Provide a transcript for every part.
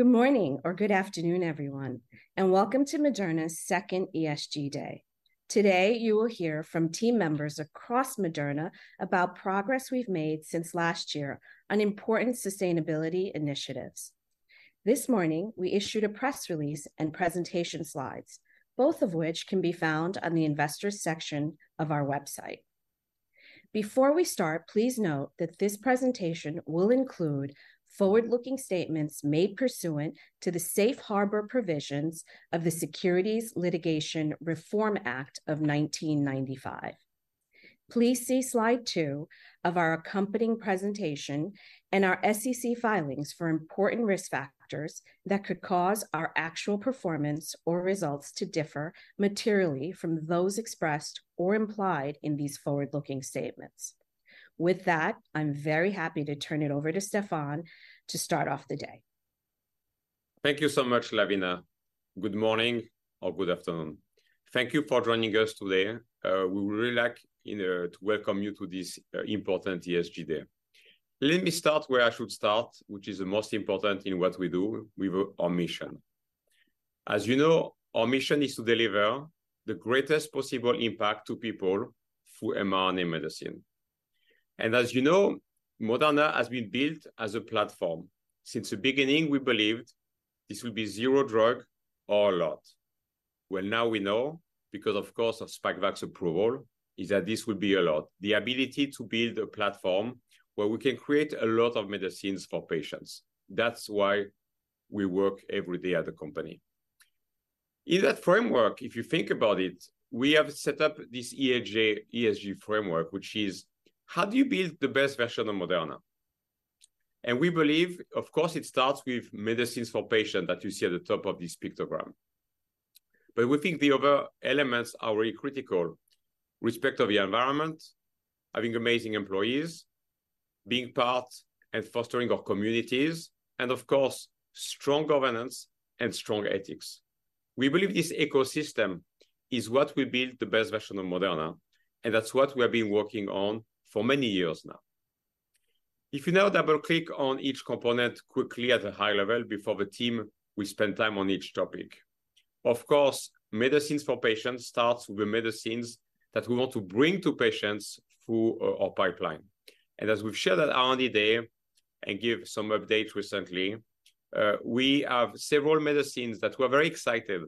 Good morning or good afternoon, everyone, and welcome to Moderna's second ESG Day. Today, you will hear from team members across Moderna about progress we've made since last year on important sustainability initiatives. This morning, we issued a press release and presentation slides, both of which can be found on the Investors section of our website. Before we start, please note that this presentation will include forward-looking statements made pursuant to the safe harbor provisions of the Securities Litigation Reform Act of 1995. Please see slide two of our accompanying presentation and our SEC filings for important risk factors that could cause our actual performance or results to differ materially from those expressed or implied in these forward-looking statements. With that, I'm very happy to turn it over to Stéphane to start off the day. Thank you so much, Lavina. Good morning or good afternoon. Thank you for joining us today. We would really like, you know, to welcome you to this important ESG Day. Let me start where I should start, which is the most important in what we do, with our mission. As you know, our mission is to deliver the greatest possible impact to people through mRNA medicine. And as you know, Moderna has been built as a platform. Since the beginning, we believed this will be zero drug or a lot. Well, now we know, because of course, of Spikevax approval, is that this will be a lot. The ability to build a platform where we can create a lot of medicines for patients, that's why we work every day at the company. In that framework, if you think about it, we have set up this ESG framework, which is: how do you build the best version of Moderna? And we believe, of course, it starts with medicines for patient, that you see at the top of this pictogram. But we think the other elements are really critical. Respect of the environment, having amazing employees, being part and fostering our communities, and of course, strong governance and strong ethics. We believe this ecosystem is what will build the best version of Moderna, and that's what we have been working on for many years now. If you now double-click on each component quickly at a high level before the team, we spend time on each topic. Of course, medicines for patients starts with the medicines that we want to bring to patients through our pipeline. As we've shared at R&D Day, and gave some updates recently, we have several medicines that we are very excited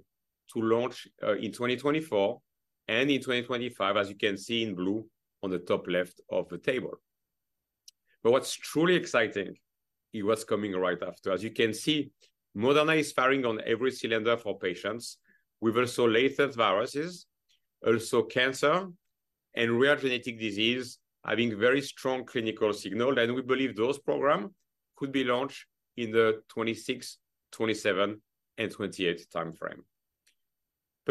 to launch in 2024 and in 2025, as you can see in blue on the top left of the table. What's truly exciting is what's coming right after. As you can see, Moderna is firing on every cylinder for patients with also latent viruses, also cancer, and rare genetic disease, having very strong clinical signal, and we believe those program could be launched in the 2026, 2027, and 2028 timeframe.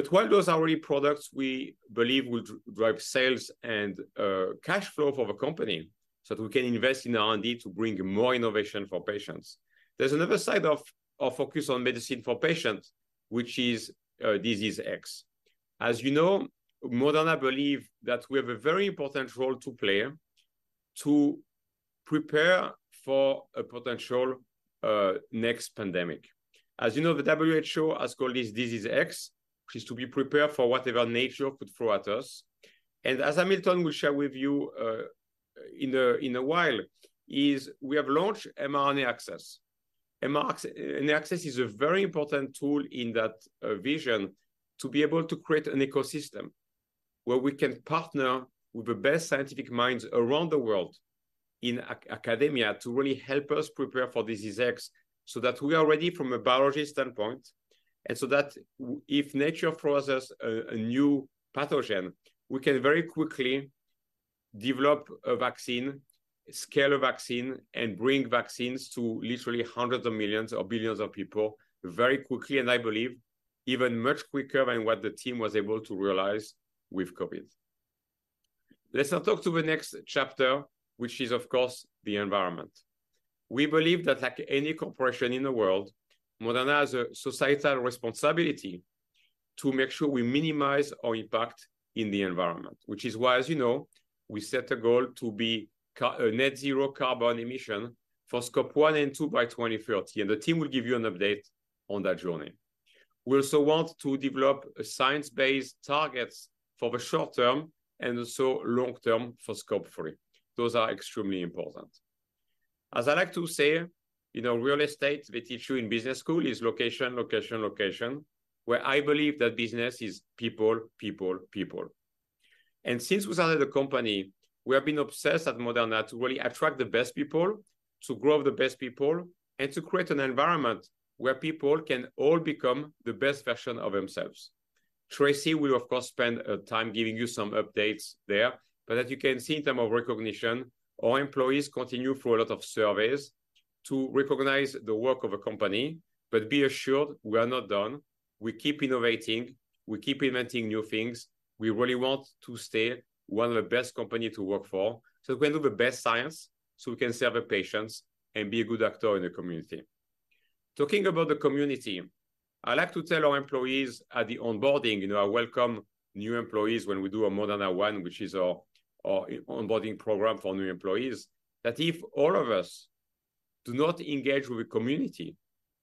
While those are really products we believe will drive sales and cash flow for the company, so that we can invest in R&D to bring more innovation for patients, there's another side of focus on medicine for patients, which is Disease X. As you know, Moderna believe that we have a very important role to play to prepare for a potential, next pandemic. As you know, the WHO has called this Disease X, which is to be prepared for whatever nature could throw at us. And as Hamilton will share with you, in a while, is we have launched mRNA Access. mRNA Access is a very important tool in that vision to be able to create an ecosystem, where we can partner with the best scientific minds around the world in academia to really help us prepare for Disease X, so that we are ready from a biology standpoint, and so that if nature throws us a new pathogen, we can very quickly develop a vaccine, scale a vaccine, and bring vaccines to literally hundreds of millions or billions of people very quickly, and I believe even much quicker than what the team was able to realize with COVID. Let's now talk to the next chapter, which is, of course, the environment. We believe that like any corporation in the world, Moderna has a societal responsibility to make sure we minimize our impact in the environment, which is why, as you know, we set a goal to be net zero carbon emissions for Scope 1 and 2 by 2030, and the team will give you an update on that journey. We also want to develop science-based targets for the short term and also long term for Scope 3. Those are extremely important. As I like to say, in our real estate, they teach you in business school, is location, location, location. Where I believe that business is people, people, people. Since we started the company, we have been obsessed at Moderna to really attract the best people, to grow the best people, and to create an environment where people can all become the best version of themselves. Tracey will, of course, spend time giving you some updates there, but as you can see in terms of recognition, our employees continue through a lot of surveys to recognize the work of the company. But be assured, we are not done. We keep innovating, we keep inventing new things. We really want to stay one of the best company to work for, so we can do the best science, so we can serve the patients and be a good actor in the community. Talking about the community... I like to tell our employees at the onboarding, you know, I welcome new employees when we do a Moderna One, which is our, our onboarding program for new employees, that if all of us do not engage with the community,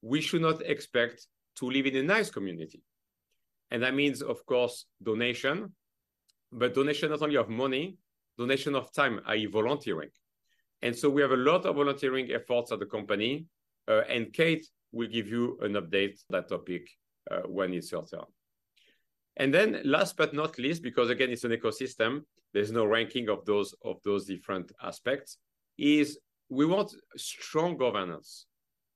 we should not expect to live in a nice community. That means, of course, donation, but donation not only of money, donation of time, i.e., volunteering. And so we have a lot of volunteering efforts at the company, and Kate will give you an update on that topic, when it's her turn. And then last but not least, because again, it's an ecosystem, there's no ranking of those, of those different aspects, is we want strong governance,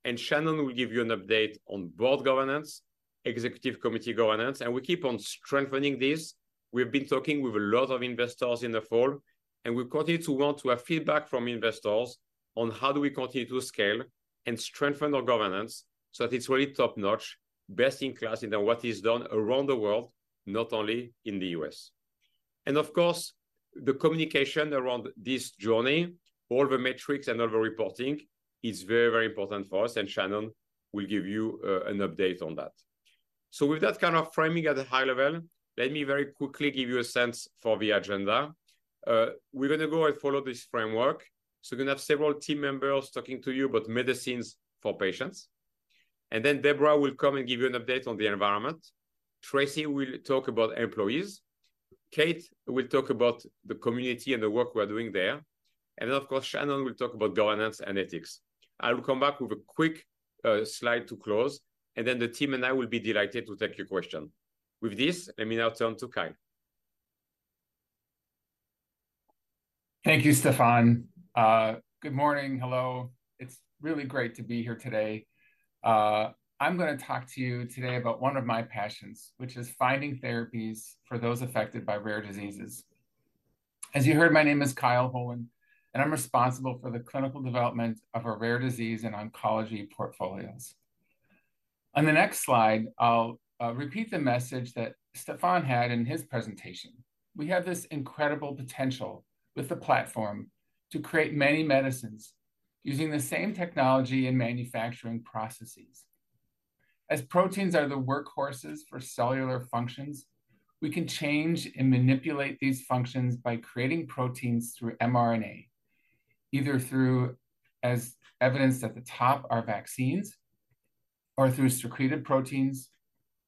and Shannon will give you an update on board governance, executive committee governance, and we keep on strengthening this. We've been talking with a lot of investors in the fall, and we continue to want to have feedback from investors on how do we continue to scale and strengthen our governance so that it's really top-notch, best in class in what is done around the world, not only in the U.S.. Of course, the communication around this journey, all the metrics and all the reporting, is very, very important for us, and Shannon will give you an update on that. With that kind of framing at a high level, let me very quickly give you a sense for the agenda. We're going to go and follow this framework, so we're going to have several team members talking to you about medicines for patients. And then Debra will come and give you an update on the environment. Tracey will talk about employees. Kate will talk about the community and the work we're doing there. And then, of course, Shannon will talk about governance and ethics. I will come back with a quick slide to close, and then the team and I will be delighted to take your question. With this, let me now turn to Kyle. Thank you, Stéphane. Good morning. Hello. It's really great to be here today. I'm going to talk to you today about one of my passions, which is finding therapies for those affected by rare diseases. As you heard, my name is Kyle Holen, and I'm responsible for the clinical development of our rare disease and oncology portfolios. On the next slide, I'll repeat the message that Stéphane had in his presentation. We have this incredible potential with the platform to create many medicines using the same technology and manufacturing processes. As proteins are the workhorses for cellular functions, we can change and manipulate these functions by creating proteins through mRNA, either through, as evidenced at the top, our vaccines, or through secreted proteins,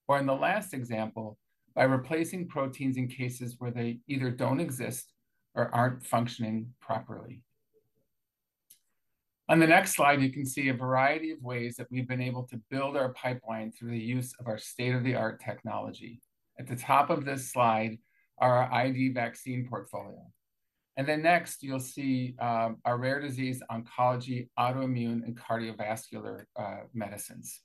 or in the last example, by replacing proteins in cases where they either don't exist or aren't functioning properly. On the next slide, you can see a variety of ways that we've been able to build our pipeline through the use of our state-of-the-art technology. At the top of this slide are our IV vaccine portfolio. Then next, you'll see our rare disease, oncology, autoimmune, and cardiovascular medicines.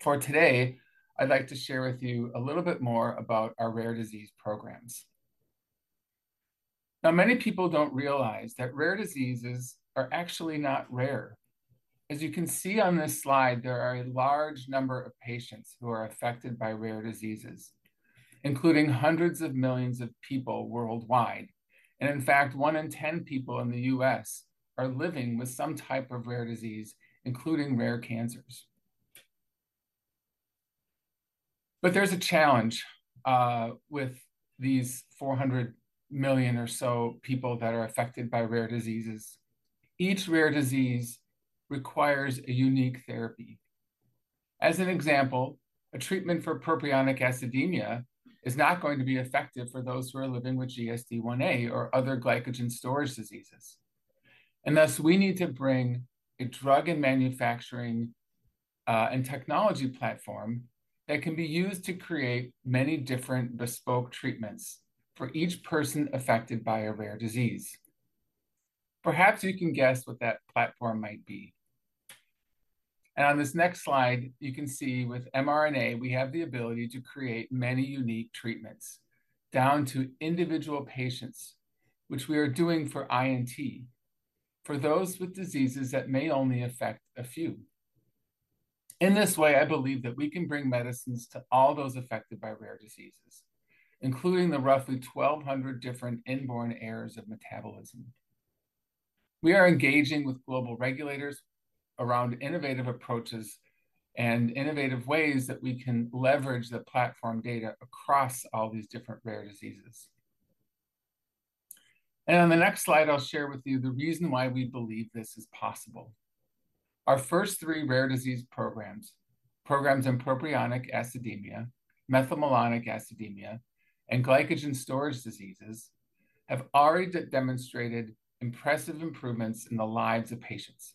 For today, I'd like to share with you a little bit more about our rare disease programs. Now, many people don't realize that rare diseases are actually not rare. As you can see on this slide, there are a large number of patients who are affected by rare diseases, including hundreds of millions of people worldwide. And in fact, one in 10 people in the U.S. are living with some type of rare disease, including rare cancers. But there's a challenge with these 400 million or so people that are affected by rare diseases. Each rare disease requires a unique therapy. As an example, a treatment for propionic acidemia is not going to be effective for those who are living with GSD1a or other glycogen storage diseases. And thus, we need to bring a drug and manufacturing, and technology platform that can be used to create many different bespoke treatments for each person affected by a rare disease. Perhaps you can guess what that platform might be. And on this next slide, you can see with mRNA, we have the ability to create many unique treatments, down to individual patients, which we are doing for INT, for those with diseases that may only affect a few. In this way, I believe that we can bring medicines to all those affected by rare diseases, including the roughly 1,200 different inborn errors of metabolism. We are engaging with global regulators around innovative approaches and innovative ways that we can leverage the platform data across all these different rare diseases. And on the next slide, I'll share with you the reason why we believe this is possible. Our first three rare disease programs, programs in propionic acidemia, methylmalonic acidemia, and glycogen storage diseases, have already de-demonstrated impressive improvements in the lives of patients.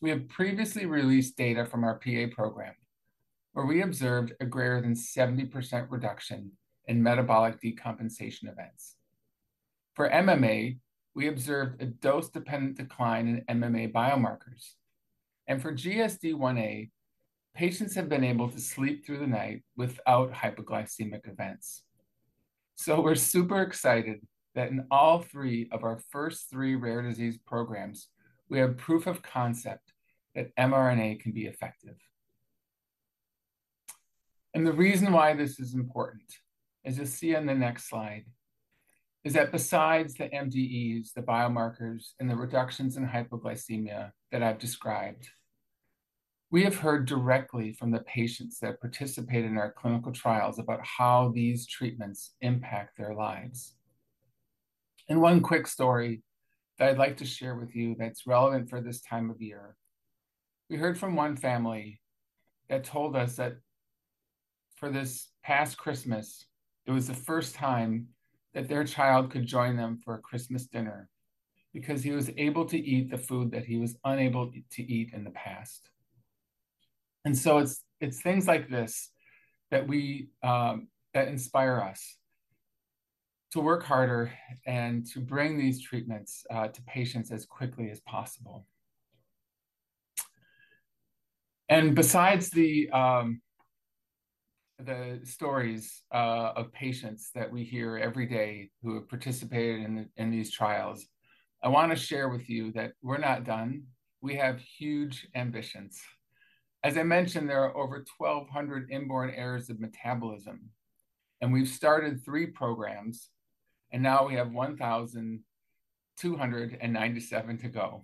We have previously released data from our PA program, where we observed a greater than 70% reduction in metabolic decompensation events. For MMA, we observed a dose-dependent decline in MMA biomarkers, and for GSD1a, patients have been able to sleep through the night without hypoglycemic events. So we're super excited that in all three of our first three rare disease programs, we have proof of concept that mRNA can be effective. And the reason why this is important, as you'll see on the next slide, is that besides the MDEs, the biomarkers, and the reductions in hypoglycemia that I've described, we have heard directly from the patients that participate in our clinical trials about how these treatments impact their lives. And one quick story that I'd like to share with you that's relevant for this time of year: we heard from one family that told us that for this past Christmas, it was the first time that their child could join them for a Christmas dinner because he was able to eat the food that he was unable to eat in the past. And so it's, it's things like this that we, that inspire us to work harder and to bring these treatments, to patients as quickly as possible. And besides the stories of patients that we hear every day who have participated in these trials, I wanna share with you that we're not done. We have huge ambitions. As I mentioned, there are over 1,200 inborn errors of metabolism, and we've started 3 programs, and now we have 1,297 to go.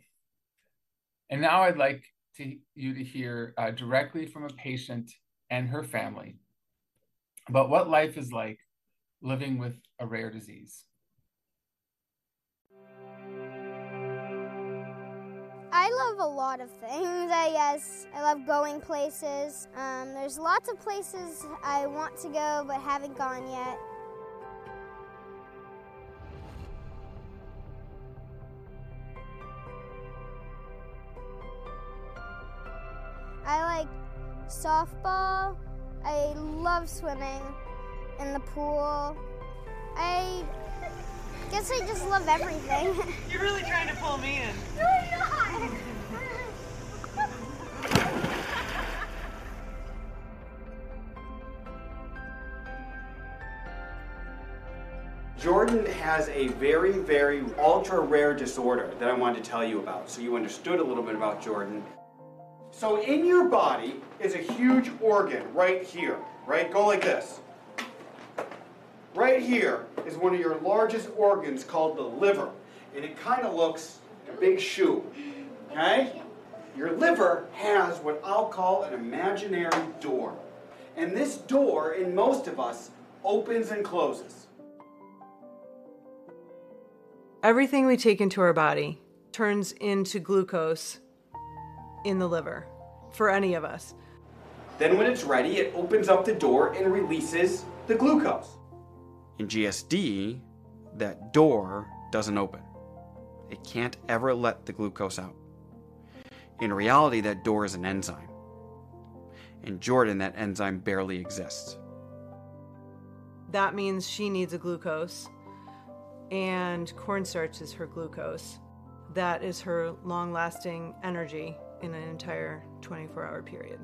Now I'd like you to hear directly from a patient and her family about what life is like living with a rare disease. I love a lot of things. I guess I love going places. There's lots of places I want to go but haven't gone yet. I like softball. I love swimming in the pool. I guess I just love everything. You're really trying to pull me in. No, I'm not! Jordan has a very, very ultra-rare disorder that I wanted to tell you about, so you understood a little bit about Jordan. So in your body is a huge organ right here, right? Go like this. Right here is one of your largest organs, called the liver, and it kind of looks like a big shoe, okay? Your liver has what I'll call an imaginary door, and this door, in most of us, opens and closes. Everything we take into our body turns into glucose in the liver, for any of us. Then, when it's ready, it opens up the door and releases the glucose. In GSD, that door doesn't open. It can't ever let the glucose out. In reality, that door is an enzyme. In Jordan, that enzyme barely exists. That means she needs a glucose, and cornstarch is her glucose. That is her long-lasting energy in an entire 24-hour period,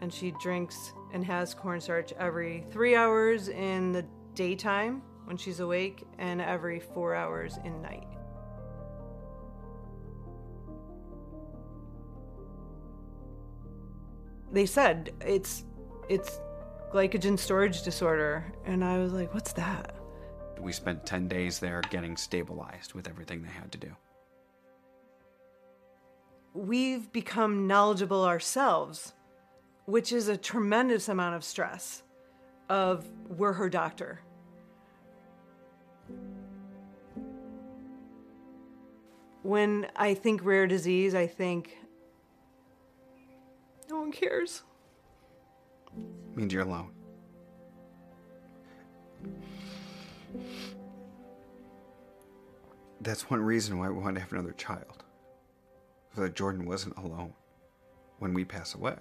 and she drinks and has cornstarch every three hours in the daytime when she's awake and every four hours in night. They said, "It's glycogen storage disease," and I was like, "What's that? We spent 10 days there getting stabilized with everything they had to do. We've become knowledgeable ourselves, which is a tremendous amount of stress of we're her doctor. When I think rare disease, I think no one cares. Means you're alone. That's one reason why we wanted to have another child, so that Jordan wasn't alone when we pass away.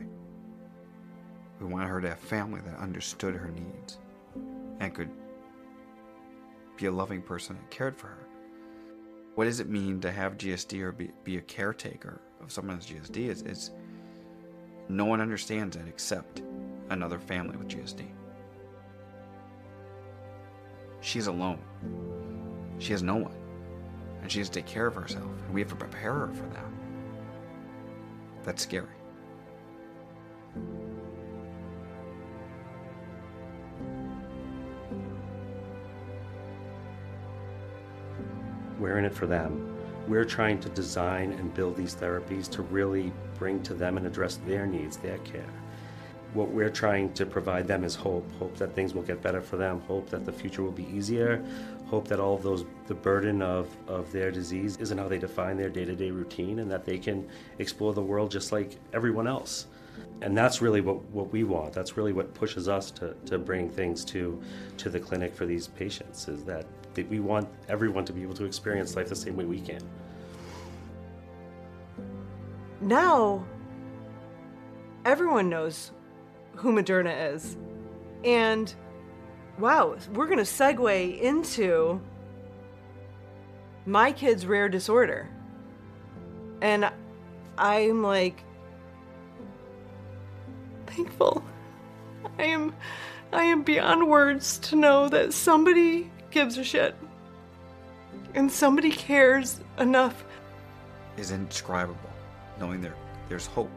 We wanted her to have family that understood her needs and could be a loving person that cared for her. What does it mean to have GSD or be a caretaker of someone with GSD? It's no one understands it except another family with GSD. She's alone. She has no one, and she has to take care of herself, and we have to prepare her for that. That's scary. We're in it for them. We're trying to design and build these therapies to really bring to them and address their needs, their care. What we're trying to provide them is hope: hope that things will get better for them, hope that the future will be easier, hope that all of those, the burden of their disease isn't how they define their day-to-day routine, and that they can explore the world just like everyone else. And that's really what we want. That's really what pushes us to bring things to the clinic for these patients, is that we want everyone to be able to experience life the same way we can. Now, everyone knows who Moderna is, and wow, we're gonna segue into my kid's rare disorder, and I'm, like, thankful. I am, I am beyond words to know that somebody gives a shit and somebody cares enough. It's indescribable, knowing there's hope. ...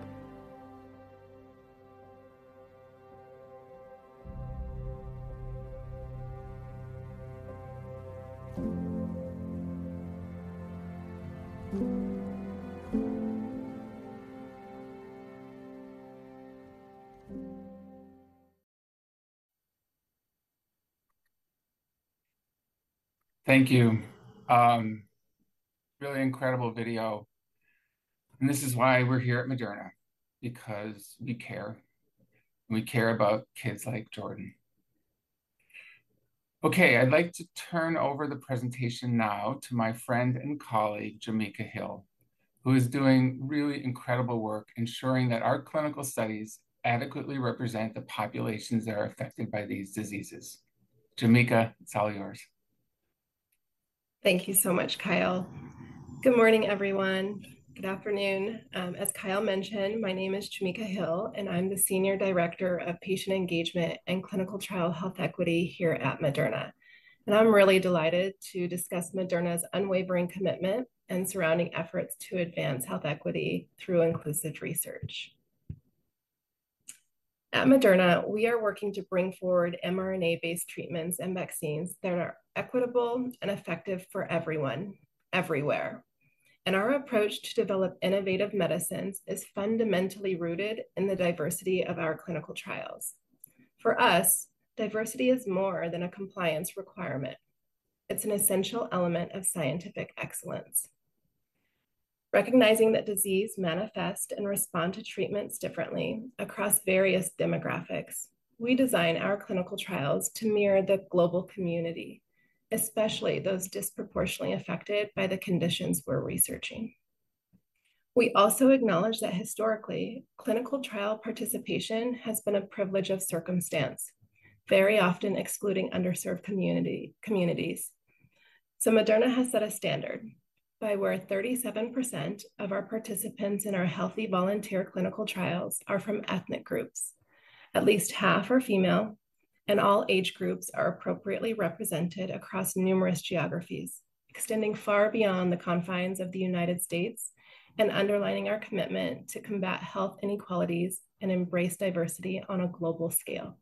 Thank you. Really incredible video, and this is why we're here at Moderna, because we care. We care about kids like Jordan. Okay, I'd like to turn over the presentation now to my friend and colleague, Jameka Hill, who is doing really incredible work ensuring that our clinical studies adequately represent the populations that are affected by these diseases. Jameka, it's all yours. Thank you so much, Kyle. Good morning, everyone. Good afternoon. As Kyle mentioned, my name is Jameka Hill, and I'm the Senior Director of Patient Engagement and Clinical Trial Health Equity here at Moderna. And I'm really delighted to discuss Moderna's unwavering commitment and surrounding efforts to advance health equity through inclusive research. At Moderna, we are working to bring forward mRNA-based treatments and vaccines that are equitable and effective for everyone, everywhere. And our approach to develop innovative medicines is fundamentally rooted in the diversity of our clinical trials. For us, diversity is more than a compliance requirement. It's an essential element of scientific excellence. Recognizing that disease manifest and respond to treatments differently across various demographics, we design our clinical trials to mirror the global community, especially those disproportionately affected by the conditions we're researching. We also acknowledge that historically, clinical trial participation has been a privilege of circumstance, very often excluding underserved community, communities. So Moderna has set a standard by where 37% of our participants in our healthy volunteer clinical trials are from ethnic groups. At least half are female, and all age groups are appropriately represented across numerous geographies, extending far beyond the confines of the United States and underlining our commitment to combat health inequalities and embrace diversity on a global scale.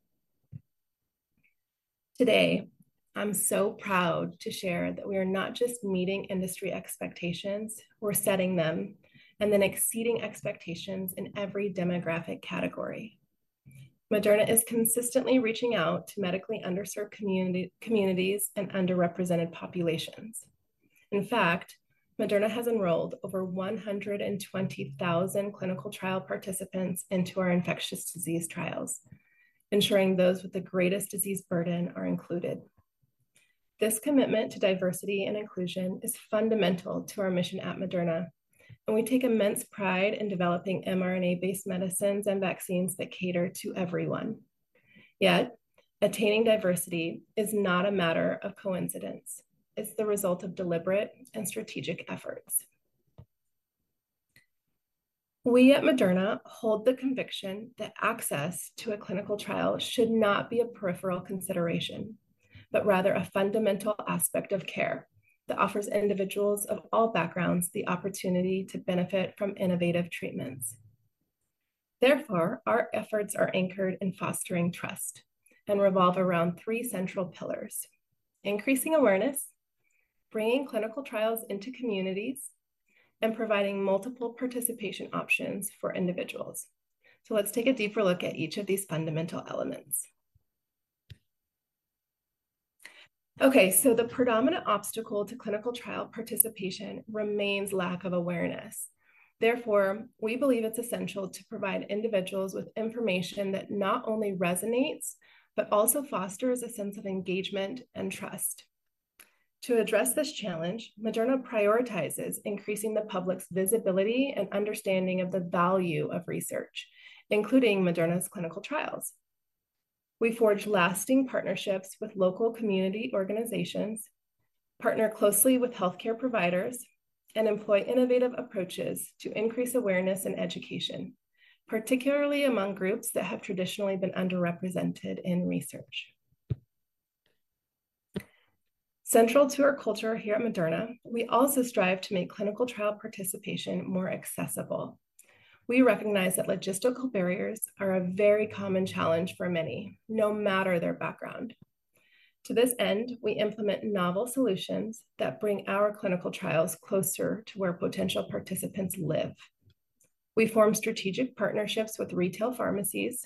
Today, I'm so proud to share that we are not just meeting industry expectations, we're setting them, and then exceeding expectations in every demographic category. Moderna is consistently reaching out to medically underserved community, communities and underrepresented populations. In fact, Moderna has enrolled over 120,000 clinical trial participants into our infectious disease trials, ensuring those with the greatest disease burden are included. This commitment to diversity and inclusion is fundamental to our mission at Moderna, and we take immense pride in developing mRNA-based medicines and vaccines that cater to everyone. Yet, attaining diversity is not a matter of coincidence. It's the result of deliberate and strategic efforts. We at Moderna hold the conviction that access to a clinical trial should not be a peripheral consideration, but rather a fundamental aspect of care that offers individuals of all backgrounds the opportunity to benefit from innovative treatments. Therefore, our efforts are anchored in fostering trust and revolve around three central pillars: increasing awareness, bringing clinical trials into communities, and providing multiple participation options for individuals. So let's take a deeper look at each of these fundamental elements. Okay, so the predominant obstacle to clinical trial participation remains lack of awareness. Therefore, we believe it's essential to provide individuals with information that not only resonates but also fosters a sense of engagement and trust. To address this challenge, Moderna prioritizes increasing the public's visibility and understanding of the value of research, including Moderna's clinical trials. We forge lasting partnerships with local community organizations, partner closely with healthcare providers, and employ innovative approaches to increase awareness and education, particularly among groups that have traditionally been underrepresented in research. Central to our culture here at Moderna, we also strive to make clinical trial participation more accessible. We recognize that logistical barriers are a very common challenge for many, no matter their background. To this end, we implement novel solutions that bring our clinical trials closer to where potential participants live. We form strategic partnerships with retail pharmacies,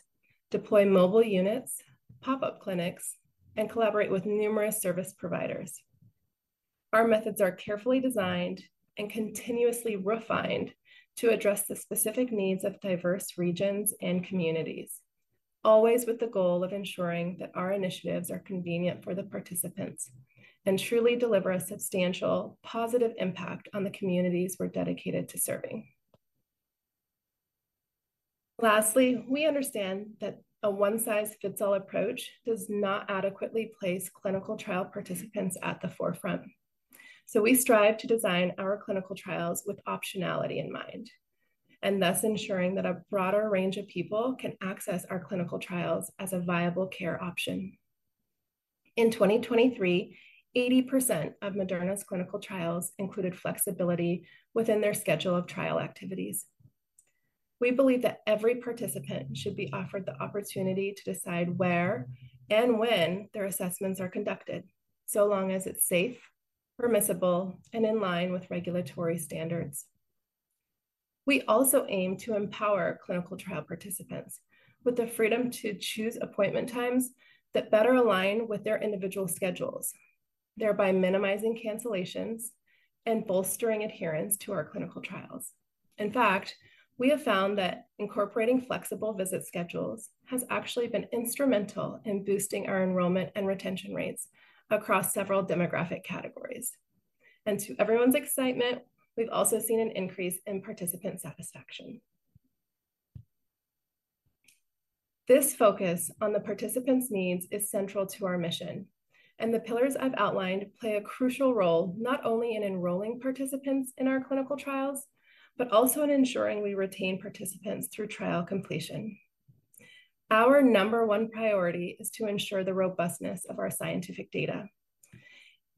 deploy mobile units, pop-up clinics, and collaborate with numerous service providers. Our methods are carefully designed and continuously refined to address the specific needs of diverse regions and communities, always with the goal of ensuring that our initiatives are convenient for the participants and truly deliver a substantial positive impact on the communities we're dedicated to serving. Lastly, we understand that a one-size-fits-all approach does not adequately place clinical trial participants at the forefront. We strive to design our clinical trials with optionality in mind, and thus ensuring that a broader range of people can access our clinical trials as a viable care option.... In 2023, 80% of Moderna's clinical trials included flexibility within their schedule of trial activities. We believe that every participant should be offered the opportunity to decide where and when their assessments are conducted, so long as it's safe, permissible, and in line with regulatory standards. We also aim to empower clinical trial participants with the freedom to choose appointment times that better align with their individual schedules, thereby minimizing cancellations and bolstering adherence to our clinical trials. In fact, we have found that incorporating flexible visit schedules has actually been instrumental in boosting our enrollment and retention rates across several demographic categories. And to everyone's excitement, we've also seen an increase in participant satisfaction. This focus on the participants' needs is central to our mission, and the pillars I've outlined play a crucial role, not only in enrolling participants in our clinical trials, but also in ensuring we retain participants through trial completion. Our number one priority is to ensure the robustness of our scientific data.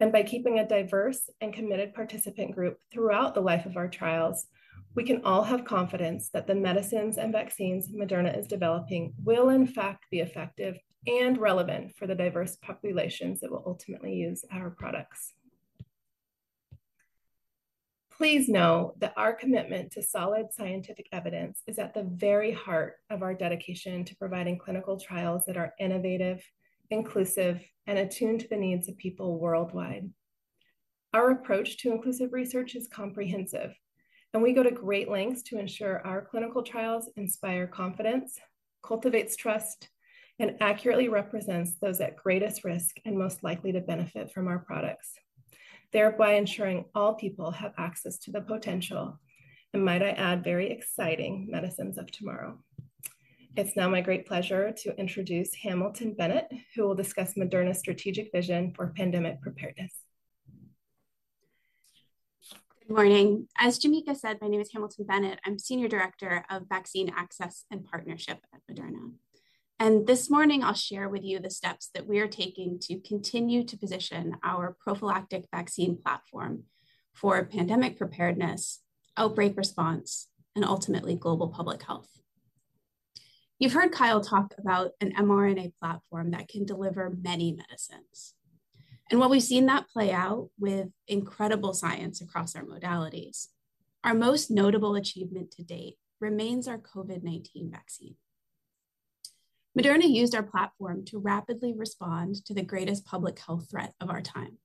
By keeping a diverse and committed participant group throughout the life of our trials, we can all have confidence that the medicines and vaccines Moderna is developing will in fact be effective and relevant for the diverse populations that will ultimately use our products. Please know that our commitment to solid scientific evidence is at the very heart of our dedication to providing clinical trials that are innovative, inclusive, and attuned to the needs of people worldwide. Our approach to inclusive research is comprehensive, and we go to great lengths to ensure our clinical trials inspire confidence, cultivates trust, and accurately represents those at greatest risk and most likely to benefit from our products, thereby ensuring all people have access to the potential, and might I add, very exciting medicines of tomorrow. It's now my great pleasure to introduce Hamilton Bennett, who will discuss Moderna's strategic vision for pandemic preparedness. Good morning. As Jameka said, my name is Hamilton Bennett. I'm Senior Director of Vaccine Access and Partnership at Moderna. This morning, I'll share with you the steps that we are taking to continue to position our prophylactic vaccine platform for pandemic preparedness, outbreak response, and ultimately, global public health. You've heard Kyle talk about an mRNA platform that can deliver many medicines, and while we've seen that play out with incredible science across our modalities, our most notable achievement to date remains our COVID-19 vaccine. Moderna used our platform to rapidly respond to the greatest public health threat of our time.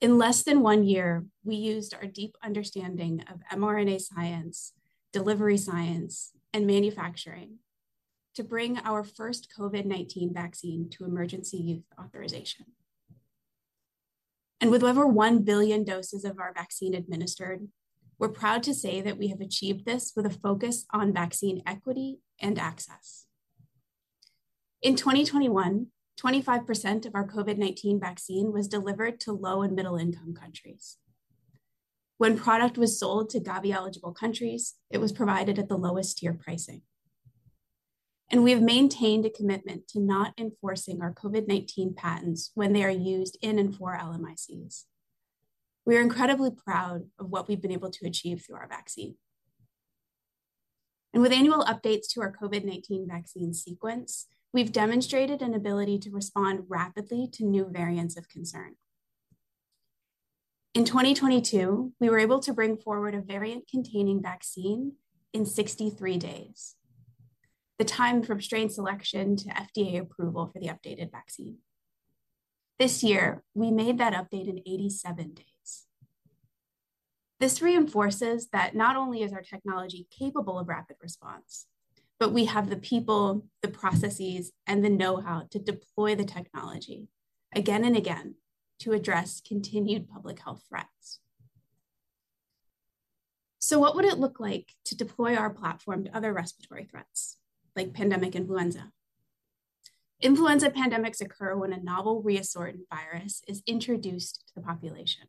In less than one year, we used our deep understanding of mRNA science, delivery science, and manufacturing to bring our first COVID-19 vaccine to emergency use authorization. With over 1 billion doses of our vaccine administered, we're proud to say that we have achieved this with a focus on vaccine equity and access. In 2021, 25% of our COVID-19 vaccine was delivered to low and middle-income countries. When product was sold to Gavi-eligible countries, it was provided at the lowest tier pricing. We have maintained a commitment to not enforcing our COVID-19 patents when they are used in and for LMICs. We are incredibly proud of what we've been able to achieve through our vaccine. With annual updates to our COVID-19 vaccine sequence, we've demonstrated an ability to respond rapidly to new variants of concern. In 2022, we were able to bring forward a variant-containing vaccine in 63 days, the time from strain selection to FDA approval for the updated vaccine. This year, we made that update in 87 days. This reinforces that not only is our technology capable of rapid response, but we have the people, the processes, and the know-how to deploy the technology again and again to address continued public health threats. So what would it look like to deploy our platform to other respiratory threats, like pandemic influenza? Influenza pandemics occur when a novel reassortant virus is introduced to the population.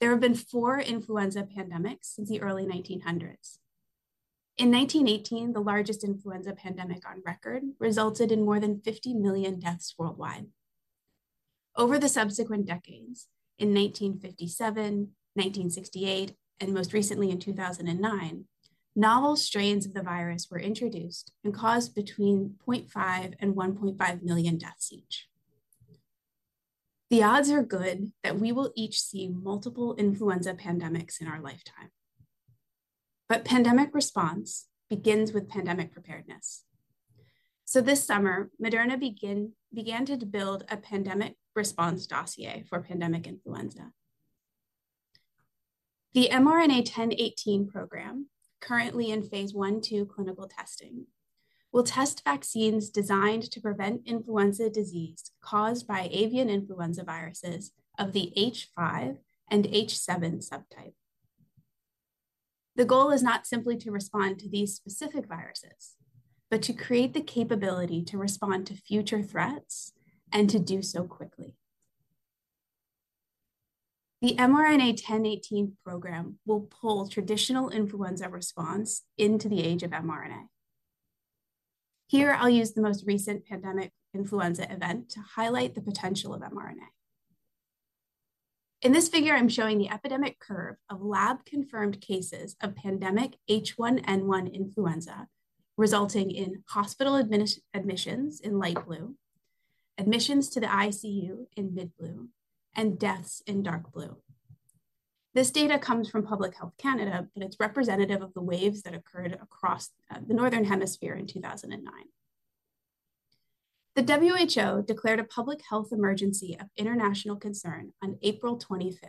There have been four influenza pandemics since the early 1900s. In 1918, the largest influenza pandemic on record resulted in more than 50 million deaths worldwide. Over the subsequent decades, in 1957, 1968, and most recently in 2009, novel strains of the virus were introduced and caused between 0.5-1.5 million deaths each. The odds are good that we will each see multiple influenza pandemics in our lifetime. But pandemic response begins with pandemic preparedness. So this summer, Moderna began to build a pandemic response dossier for pandemic influenza. The mRNA-1018 program, currently in phase I/II clinical testing, will test vaccines designed to prevent influenza disease caused by avian influenza viruses of the H5 and H7 subtype. The goal is not simply to respond to these specific viruses, but to create the capability to respond to future threats and to do so quickly... The mRNA-1018 program will pull traditional influenza response into the age of mRNA. Here, I'll use the most recent pandemic influenza event to highlight the potential of mRNA. In this figure, I'm showing the epidemic curve of lab-confirmed cases of pandemic H1N1 influenza, resulting in hospital admissions in light blue, admissions to the ICU in mid blue, and deaths in dark blue. This data comes from Public Health Canada, and it's representative of the waves that occurred across the northern hemisphere in 2009. The WHO declared a public health emergency of international concern on April 25.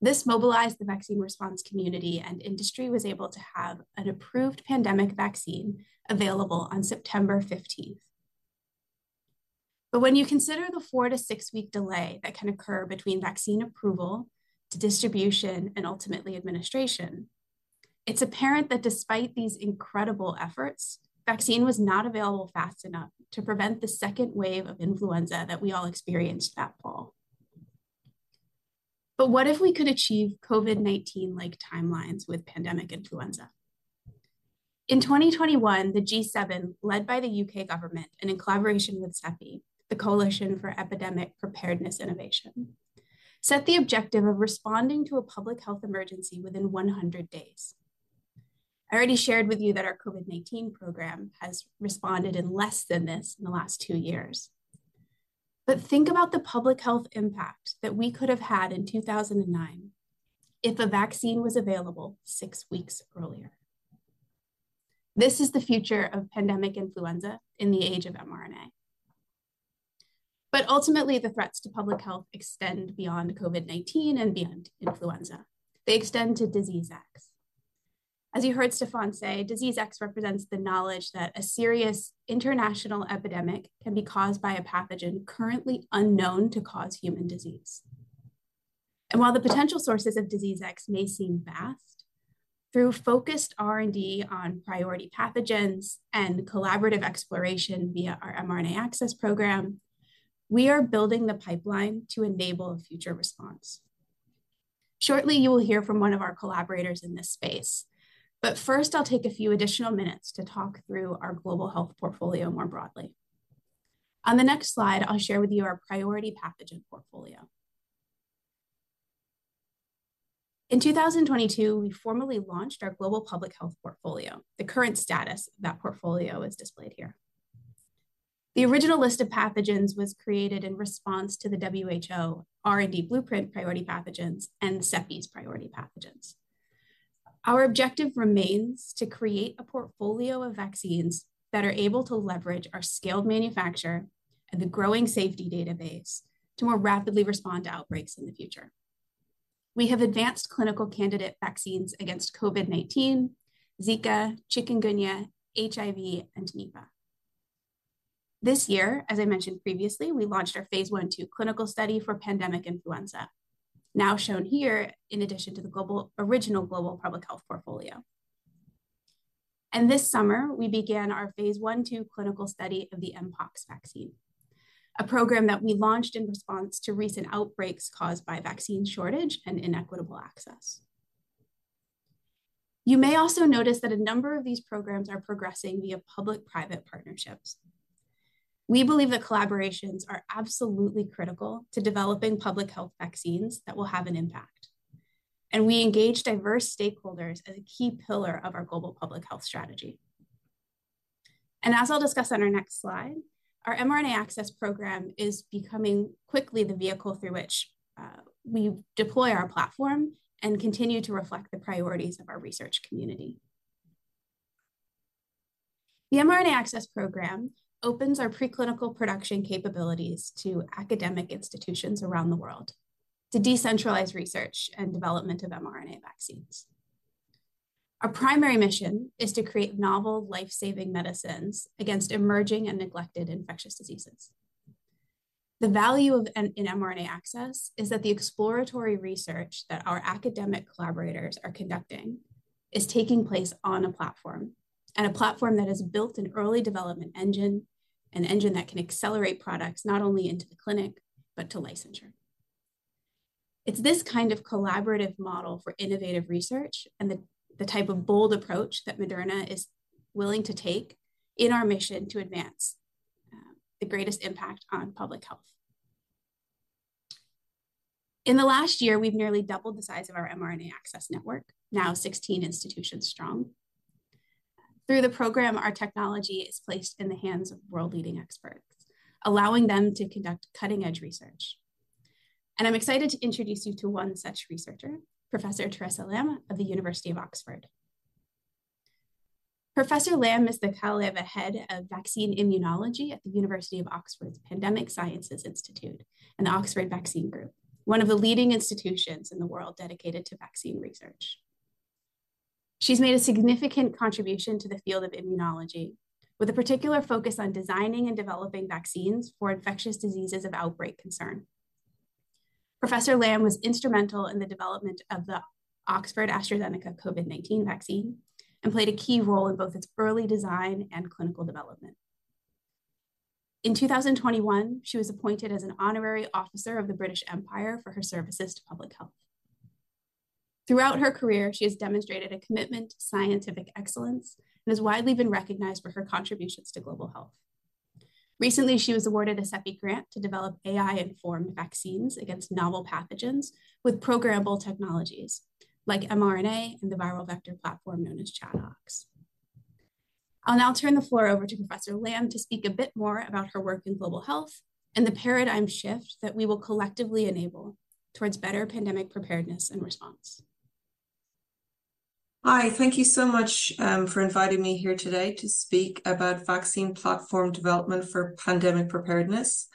This mobilized the vaccine response community, and industry was able to have an approved pandemic vaccine available on September 15. But when you consider the four to six week delay that can occur between vaccine approval to distribution and ultimately administration, it's apparent that despite these incredible efforts, vaccine was not available fast enough to prevent the second wave of influenza that we all experienced that fall. But what if we could achieve COVID-19-like timelines with pandemic influenza? In 2021, the G7, led by the U.K. government and in collaboration with CEPI, the Coalition for Epidemic Preparedness Innovation, set the objective of responding to a public health emergency within 100 days. I already shared with you that our COVID-19 program has responded in less than this in the last two years. But think about the public health impact that we could have had in 2009 if a vaccine was available six weeks earlier. This is the future of pandemic influenza in the age of mRNA. But ultimately, the threats to public health extend beyond COVID-19 and beyond influenza. They extend to Disease X. As you heard Stéphane say, Disease X represents the knowledge that a serious international epidemic can be caused by a pathogen currently unknown to cause human disease. And while the potential sources of Disease X may seem vast, through focused R&D on priority pathogens and collaborative exploration via our mRNA Access program, we are building the pipeline to enable a future response. Shortly, you will hear from one of our collaborators in this space, but first, I'll take a few additional minutes to talk through our global health portfolio more broadly. On the next slide, I'll share with you our priority pathogen portfolio. In 2022, we formally launched our global public health portfolio. The current status of that portfolio is displayed here. The original list of pathogens was created in response to the WHO R&D blueprint priority pathogens and CEPI's priority pathogens. Our objective remains to create a portfolio of vaccines that are able to leverage our scaled manufacture and the growing safety database to more rapidly respond to outbreaks in the future. We have advanced clinical candidate vaccines against COVID-19, Zika, Chikungunya, HIV, and Nipah. This year, as I mentioned previously, we launched our phase I/II clinical study for pandemic influenza, now shown here, in addition to the original global public health portfolio. This summer, we began our phase I/II clinical study of the mpox vaccine, a program that we launched in response to recent outbreaks caused by vaccine shortage and inequitable access. You may also notice that a number of these programs are progressing via public-private partnerships. We believe that collaborations are absolutely critical to developing public health vaccines that will have an impact, and we engage diverse stakeholders as a key pillar of our global public health strategy. As I'll discuss on our next slide, our mRNA Access program is becoming quickly the vehicle through which we deploy our platform and continue to reflect the priorities of our research community. The mRNA Access program opens our preclinical production capabilities to academic institutions around the world to decentralize research and development of mRNA vaccines. Our primary mission is to create novel life-saving medicines against emerging and neglected infectious diseases. The value of an mRNA Access is that the exploratory research that our academic collaborators are conducting is taking place on a platform, and a platform that has built an early development engine, an engine that can accelerate products not only into the clinic but to licensure. It's this kind of collaborative model for innovative research and the type of bold approach that Moderna is willing to take in our mission to advance the greatest impact on public health. In the last year, we've nearly doubled the size of our mRNA Access network, now 16 institutions strong. Through the program, our technology is placed in the hands of world-leading experts, allowing them to conduct cutting-edge research. I'm excited to introduce you to one such researcher, Professor Teresa Lambe of the University of Oxford. Professor Lambe is the PI Head of Vaccine Immunology at the University of Oxford's Pandemic Sciences Institute and the Oxford Vaccine Group, one of the leading institutions in the world dedicated to vaccine research. She's made a significant contribution to the field of immunology, with a particular focus on designing and developing vaccines for infectious diseases of outbreak concern. Professor Lambe was instrumental in the development of the Oxford-AstraZeneca COVID-19 vaccine and played a key role in both its early design and clinical development.... In 2021, she was appointed as an Honorary Officer of the British Empire for her services to public health. Throughout her career, she has demonstrated a commitment to scientific excellence and has widely been recognized for her contributions to global health. Recently, she was awarded a CEPI grant to develop AI-informed vaccines against novel pathogens with programmable technologies, like mRNA and the viral vector platform known as ChAdOx. I'll now turn the floor over to Professor Lambe to speak a bit more about her work in global health and the paradigm shift that we will collectively enable towards better pandemic preparedness and response. Hi, thank you so much for inviting me here today to speak about vaccine platform development for pandemic preparedness.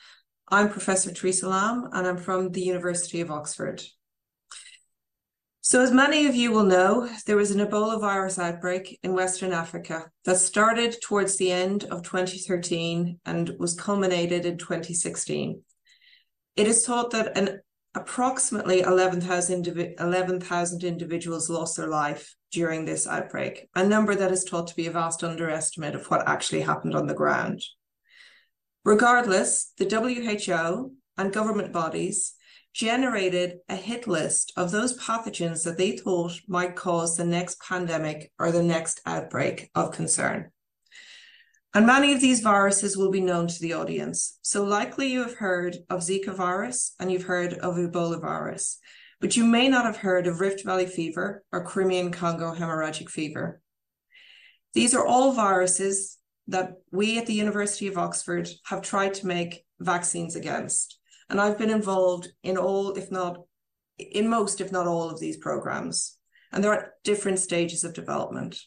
I'm Professor Teresa Lambe, and I'm from the University of Oxford. So as many of you will know, there was an Ebola virus outbreak in West Africa that started towards the end of 2013 and was culminated in 2016. It is thought that approximately 11,000 individuals lost their life during this outbreak, a number that is thought to be a vast underestimate of what actually happened on the ground. Regardless, the WHO and government bodies generated a hit list of those pathogens that they thought might cause the next pandemic or the next outbreak of concern, and many of these viruses will be known to the audience. So likely you have heard of Zika virus, and you've heard of Ebola virus, but you may not have heard of Rift Valley fever or Crimean-Congo hemorrhagic fever. These are all viruses that we at the University of Oxford have tried to make vaccines against, and I've been involved in all, if not... in most, if not all, of these programs, and they're at different stages of development.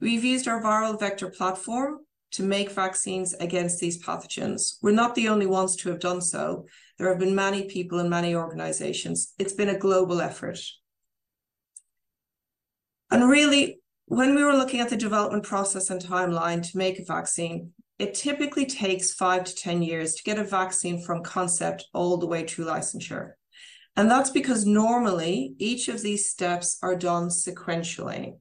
We've used our viral vector platform to make vaccines against these pathogens. We're not the only ones to have done so. There have been many people and many organizations. It's been a global effort. And really, when we were looking at the development process and timeline to make a vaccine, it typically takes five-10 years to get a vaccine from concept all the way to licensure, and that's because normally, each of these steps are done sequentially.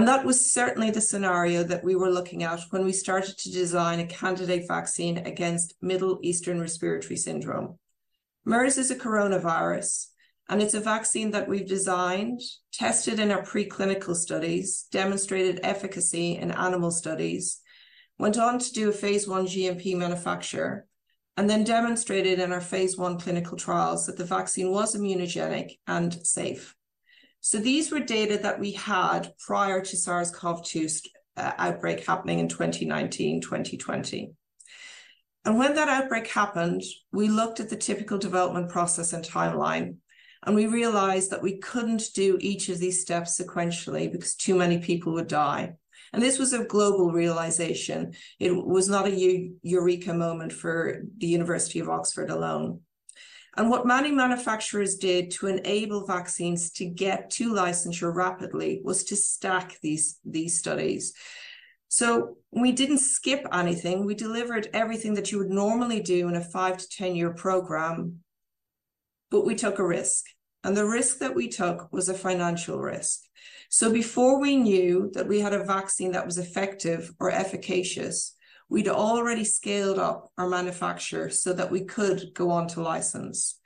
That was certainly the scenario that we were looking at when we started to design a candidate vaccine against Middle East Respiratory Syndrome. MERS is a coronavirus, and it's a vaccine that we've designed, tested in our preclinical studies, demonstrated efficacy in animal studies, went on to do a phase I GMP manufacture, and then demonstrated in our phase I clinical trials that the vaccine was immunogenic and safe. So these were data that we had prior to SARS-CoV-2 outbreak happening in 2019, 2020. And when that outbreak happened, we looked at the typical development process and timeline, and we realized that we couldn't do each of these steps sequentially because too many people would die. And this was a global realization. It was not a eureka moment for the University of Oxford alone. What many manufacturers did to enable vaccines to get to licensure rapidly was to stack these studies. So we didn't skip anything. We delivered everything that you would normally do in a five to 10-year program, but we took a risk, and the risk that we took was a financial risk. So before we knew that we had a vaccine that was effective or efficacious, we'd already scaled up our manufacture so that we could go on to license.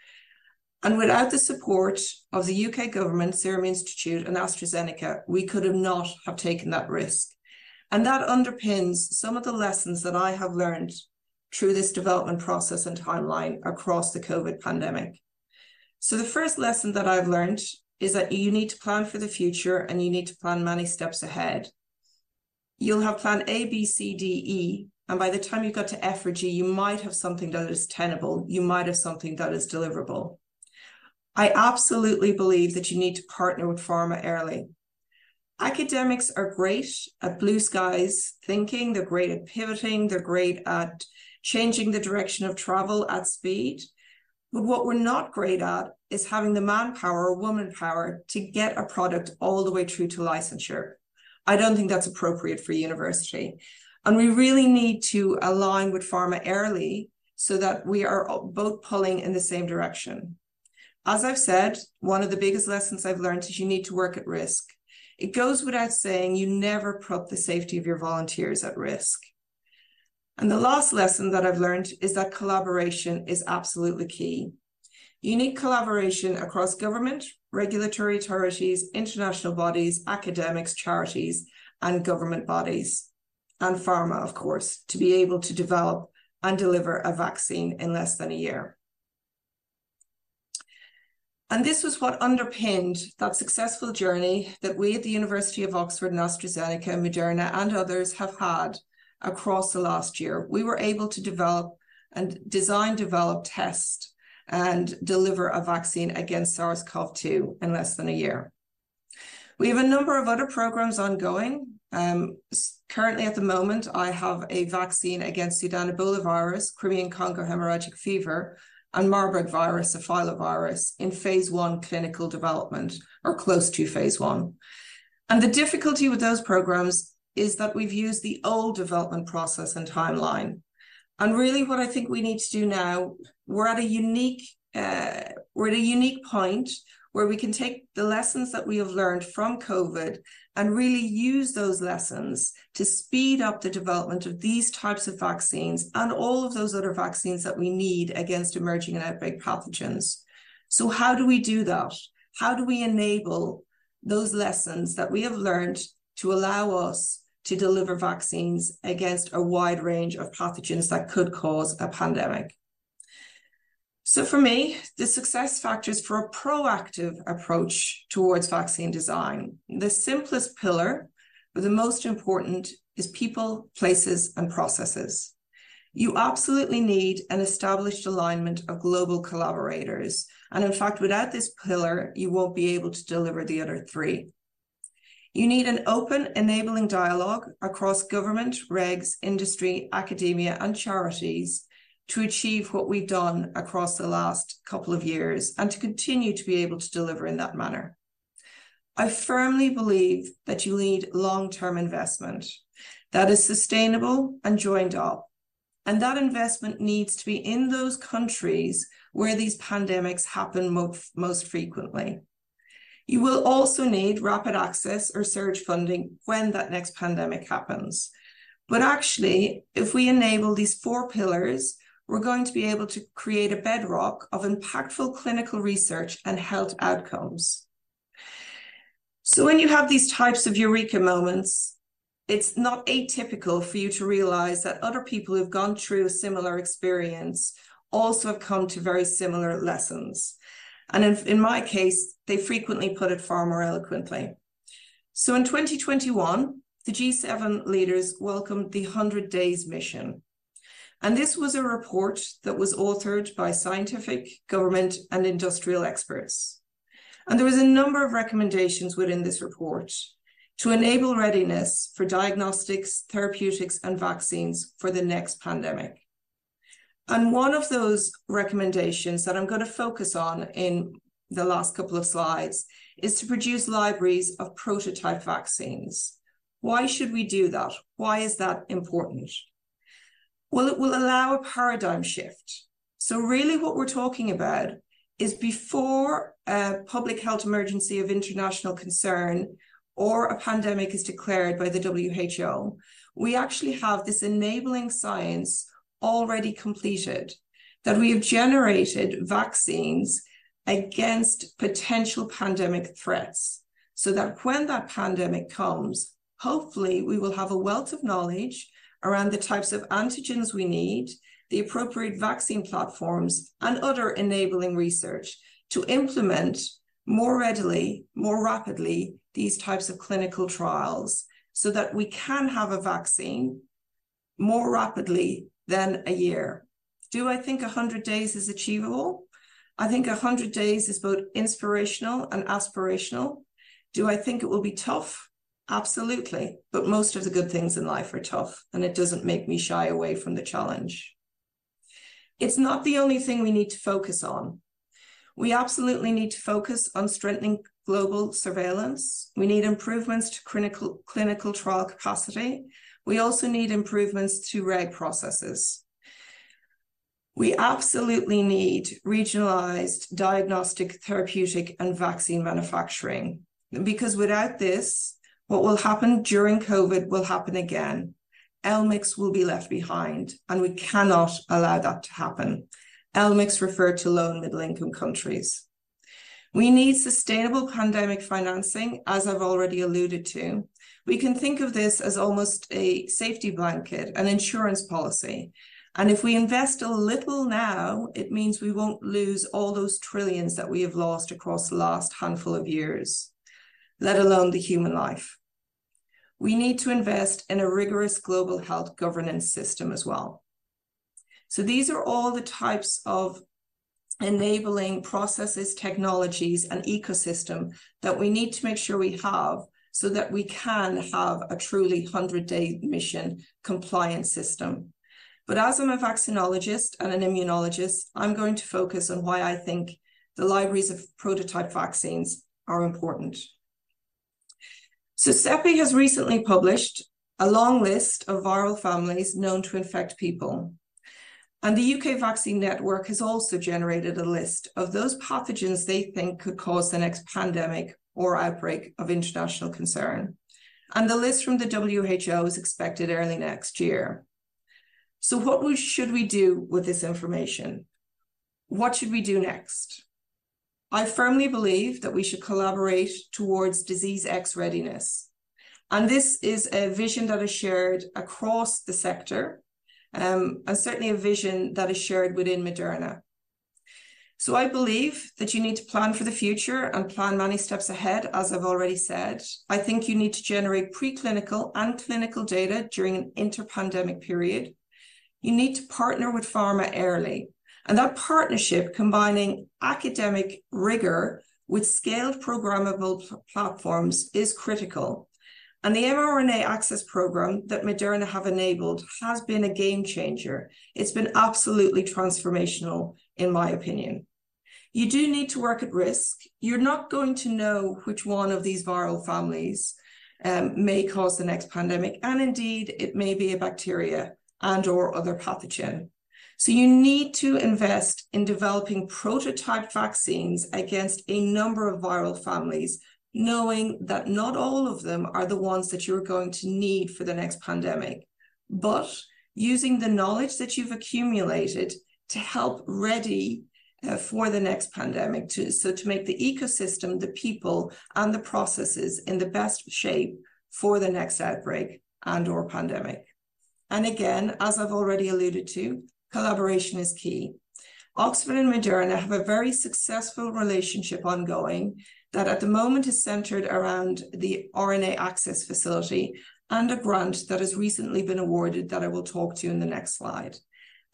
And without the support of the U.K. government, Serum Institute, and AstraZeneca, we could not have taken that risk. And that underpins some of the lessons that I have learned through this development process and timeline across the COVID pandemic. So the first lesson that I've learned is that you need to plan for the future, and you need to plan many steps ahead. You'll have plan A, B, C, D, E, and by the time you got to F or G, you might have something that is tenable. You might have something that is deliverable. I absolutely believe that you need to partner with pharma early. Academics are great at blue skies thinking. They're great at pivoting. They're great at changing the direction of travel at speed. But what we're not great at is having the manpower or womanpower to get a product all the way through to licensure. I don't think that's appropriate for a university, and we really need to align with pharma early so that we are both pulling in the same direction. As I've said, one of the biggest lessons I've learned is you need to work at risk. It goes without saying you never put the safety of your volunteers at risk. The last lesson that I've learned is that collaboration is absolutely key. You need collaboration across government, regulatory authorities, international bodies, academics, charities, and government bodies, and pharma, of course, to be able to develop and deliver a vaccine in less than a year. And this was what underpinned that successful journey that we at the University of Oxford, and AstraZeneca, and Moderna, and others have had across the last year. We were able to develop and design, develop, test, and deliver a vaccine against SARS-CoV-2 in less than a year. We have a number of other programs ongoing. Currently at the moment, I have a vaccine against Sudan Ebola virus, Crimean-Congo hemorrhagic fever, and Marburg virus, a filovirus, in phase I clinical development or close to phase I. And the difficulty with those programs is that we've used the old development process and timeline, and really, what I think we need to do now, we're at a unique point where we can take the lessons that we have learned from COVID and really use those lessons to speed up the development of these types of vaccines and all of those other vaccines that we need against emerging and outbreak pathogens. So how do we do that? How do we enable those lessons that we have learned to allow us to deliver vaccines against a wide range of pathogens that could cause a pandemic. So for me, the success factors for a proactive approach towards vaccine design, the simplest pillar, but the most important, is people, places, and processes. You absolutely need an established alignment of global collaborators, and in fact, without this pillar, you won't be able to deliver the other three. You need an open, enabling dialogue across government, regs, industry, academia, and charities to achieve what we've done across the last couple of years, and to continue to be able to deliver in that manner. I firmly believe that you need long-term investment that is sustainable and joined up, and that investment needs to be in those countries where these pandemics happen most frequently. You will also need rapid access or surge funding when that next pandemic happens. But actually, if we enable these four pillars, we're going to be able to create a bedrock of impactful clinical research and health outcomes. So when you have these types of eureka moments, it's not atypical for you to realize that other people who've gone through a similar experience also have come to very similar lessons, and in my case, they frequently put it far more eloquently. So in 2021, the G7 leaders welcomed the 100 Days Mission, and this was a report that was authored by scientific, government, and industrial experts. There was a number of recommendations within this report to enable readiness for diagnostics, therapeutics, and vaccines for the next pandemic. One of those recommendations that I'm gonna focus on in the last couple of slides is to produce libraries of prototype vaccines. Why should we do that? Why is that important? Well, it will allow a paradigm shift. So really what we're talking about is before a public health emergency of international concern or a pandemic is declared by the WHO, we actually have this enabling science already completed, that we have generated vaccines against potential pandemic threats, so that when that pandemic comes, hopefully we will have a wealth of knowledge around the types of antigens we need, the appropriate vaccine platforms, and other enabling research to implement more readily, more rapidly, these types of clinical trials so that we can have a vaccine more rapidly than a year. Do I think 100 days is achievable? I think 100 days is both inspirational and aspirational. Do I think it will be tough? Absolutely, but most of the good things in life are tough, and it doesn't make me shy away from the challenge. It's not the only thing we need to focus on. We absolutely need to focus on strengthening global surveillance. We need improvements to clinical trial capacity. We also need improvements to reg processes. We absolutely need regionalized diagnostic, therapeutic, and vaccine manufacturing, because without this, what will happen during COVID will happen again. LMICs will be left behind, and we cannot allow that to happen. LMICs refer to low- and middle-income countries. We need sustainable pandemic financing, as I've already alluded to. We can think of this as almost a safety blanket, an insurance policy, and if we invest a little now, it means we won't lose all those trillions that we have lost across the last handful of years, let alone the human life. We need to invest in a rigorous global health governance system as well. So these are all the types of enabling processes, technologies, and ecosystem that we need to make sure we have, so that we can have a truly 100-day mission compliance system. But as I'm a vaccinologist and an immunologist, I'm going to focus on why I think the libraries of prototype vaccines are important. So CEPI has recently published a long list of viral families known to infect people, and the U.K. Vaccine Network has also generated a list of those pathogens they think could cause the next pandemic or outbreak of international concern, and the list from the WHO is expected early next year. So what should we do with this information? What should we do next? I firmly believe that we should collaborate towards Disease X readiness, and this is a vision that is shared across the sector, and certainly a vision that is shared within Moderna. So I believe that you need to plan for the future and plan many steps ahead, as I've already said. I think you need to generate preclinical and clinical data during an inter-pandemic period. You need to partner with pharma early, and that partnership, combining academic rigor with scaled programmable platforms, is critical. And the mRNA Access program that Moderna have enabled has been a game-changer. It's been absolutely transformational, in my opinion. You do need to work at risk. You're not going to know which one of these viral families may cause the next pandemic, and indeed, it may be a bacteria and/or other pathogen. So you need to invest in developing prototype vaccines against a number of viral families, knowing that not all of them are the ones that you're going to need for the next pandemic... but using the knowledge that you've accumulated to help ready for the next pandemic, so to make the ecosystem, the people, and the processes in the best shape for the next outbreak and/or pandemic. And again, as I've already alluded to, collaboration is key. Oxford and Moderna have a very successful relationship ongoing, that at the moment is centered around the mRNA Access facility and a grant that has recently been awarded, that I will talk to you in the next slide.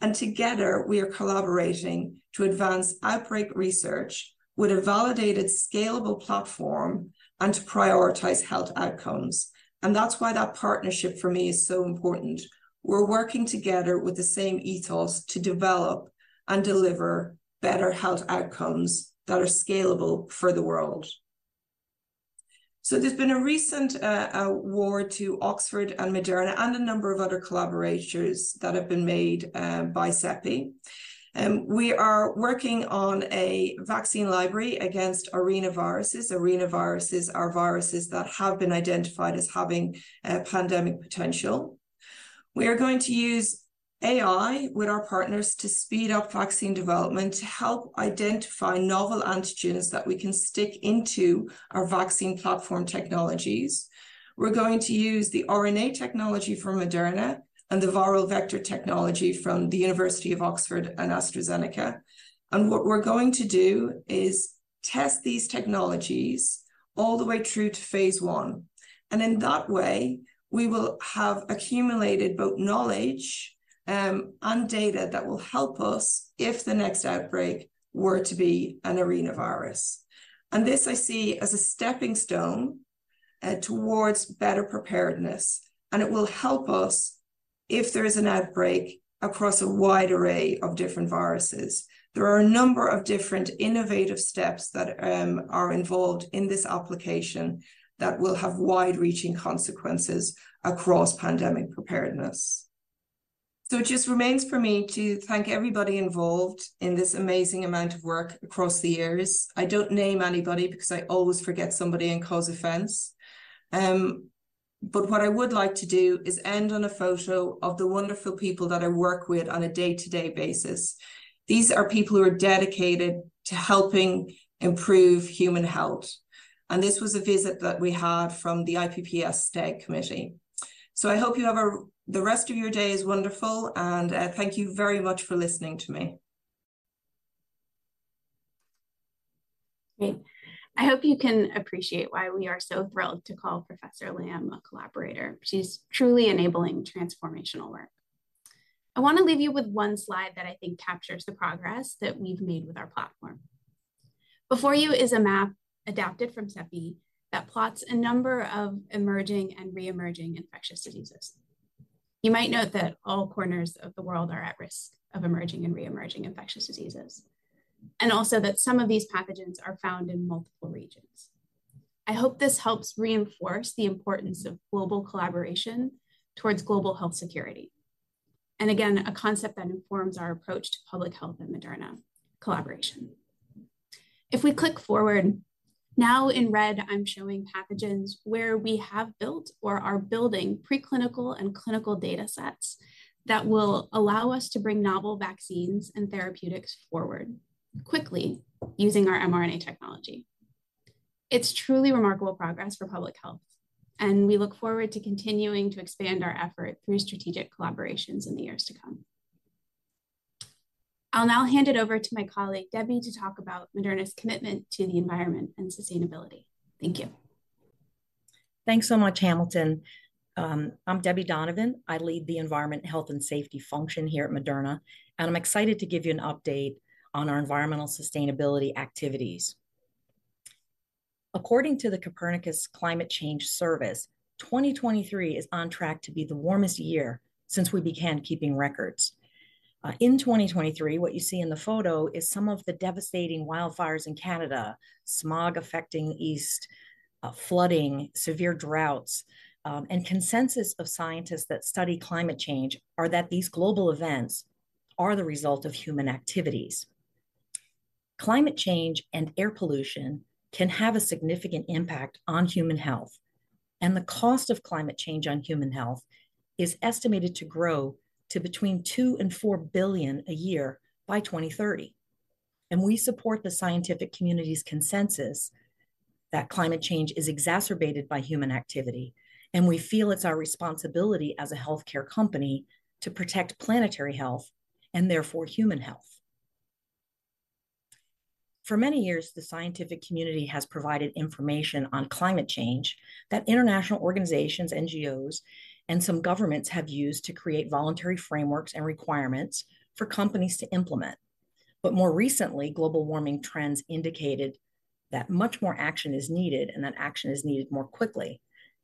And together, we are collaborating to advance outbreak research with a validated, scalable platform and to prioritize health outcomes. And that's why that partnership for me is so important. We're working together with the same ethos to develop and deliver better health outcomes that are scalable for the world. So there's been a recent award to Oxford and Moderna, and a number of other collaborators that have been made by CEPI. We are working on a vaccine library against arenaviruses. Arenaviruses are viruses that have been identified as having pandemic potential. We are going to use AI with our partners to speed up vaccine development, to help identify novel antigens that we can stick into our vaccine platform technologies. We're going to use the RNA technology from Moderna and the viral vector technology from the University of Oxford and AstraZeneca, and what we're going to do is test these technologies all the way through to phase I. In that way, we will have accumulated both knowledge, and data that will help us if the next outbreak were to be an arenavirus. This, I see as a stepping stone, towards better preparedness, and it will help us if there is an outbreak across a wide array of different viruses. There are a number of different innovative steps that, are involved in this application, that will have wide-reaching consequences across pandemic preparedness. It just remains for me to thank everybody involved in this amazing amount of work across the years. I don't name anybody because I always forget somebody and cause offense. But what I would like to do is end on a photo of the wonderful people that I work with on a day-to-day basis. These are people who are dedicated to helping improve human health, and this was a visit that we had from the IPPS Steering Committee. So I hope you have a... the rest of your day is wonderful, and thank you very much for listening to me. Great. I hope you can appreciate why we are so thrilled to call Professor Lambe a collaborator. She's truly enabling transformational work. I wanna leave you with one slide that I think captures the progress that we've made with our platform. Before you is a map adapted from CEPI, that plots a number of emerging and re-emerging infectious diseases. You might note that all corners of the world are at risk of emerging and re-emerging infectious diseases, and also that some of these pathogens are found in multiple regions. I hope this helps reinforce the importance of global collaboration towards global health security, and again, a concept that informs our approach to public health and Moderna collaboration. If we click forward, now in red, I'm showing pathogens where we have built or are building preclinical and clinical data sets, that will allow us to bring novel vaccines and therapeutics forward quickly using our mRNA technology. It's truly remarkable progress for public health, and we look forward to continuing to expand our effort through strategic collaborations in the years to come. I'll now hand it over to my colleague, Debbie, to talk about Moderna's commitment to the environment and sustainability. Thank you. Thanks so much, Hamilton. I'm Debbie Donovan. I lead the Environment, Health, and Safety function here at Moderna, and I'm excited to give you an update on our environmental sustainability activities. According to the Copernicus Climate Change Service, 2023 is on track to be the warmest year since we began keeping records. In 2023, what you see in the photo is some of the devastating wildfires in Canada, smog affecting the East, flooding, severe droughts. And consensus of scientists that study climate change are that these global events are the result of human activities. Climate change and air pollution can have a significant impact on human health, and the cost of climate change on human health is estimated to grow to between $2 billion and $4 billion a year by 2030. We support the scientific community's consensus that climate change is exacerbated by human activity, and we feel it's our responsibility as a healthcare company to protect planetary health and therefore human health. For many years, the scientific community has provided information on climate change that international organizations, NGOs, and some governments have used to create voluntary frameworks and requirements for companies to implement. But more recently, global warming trends indicated that much more action is needed and that action is needed more quickly.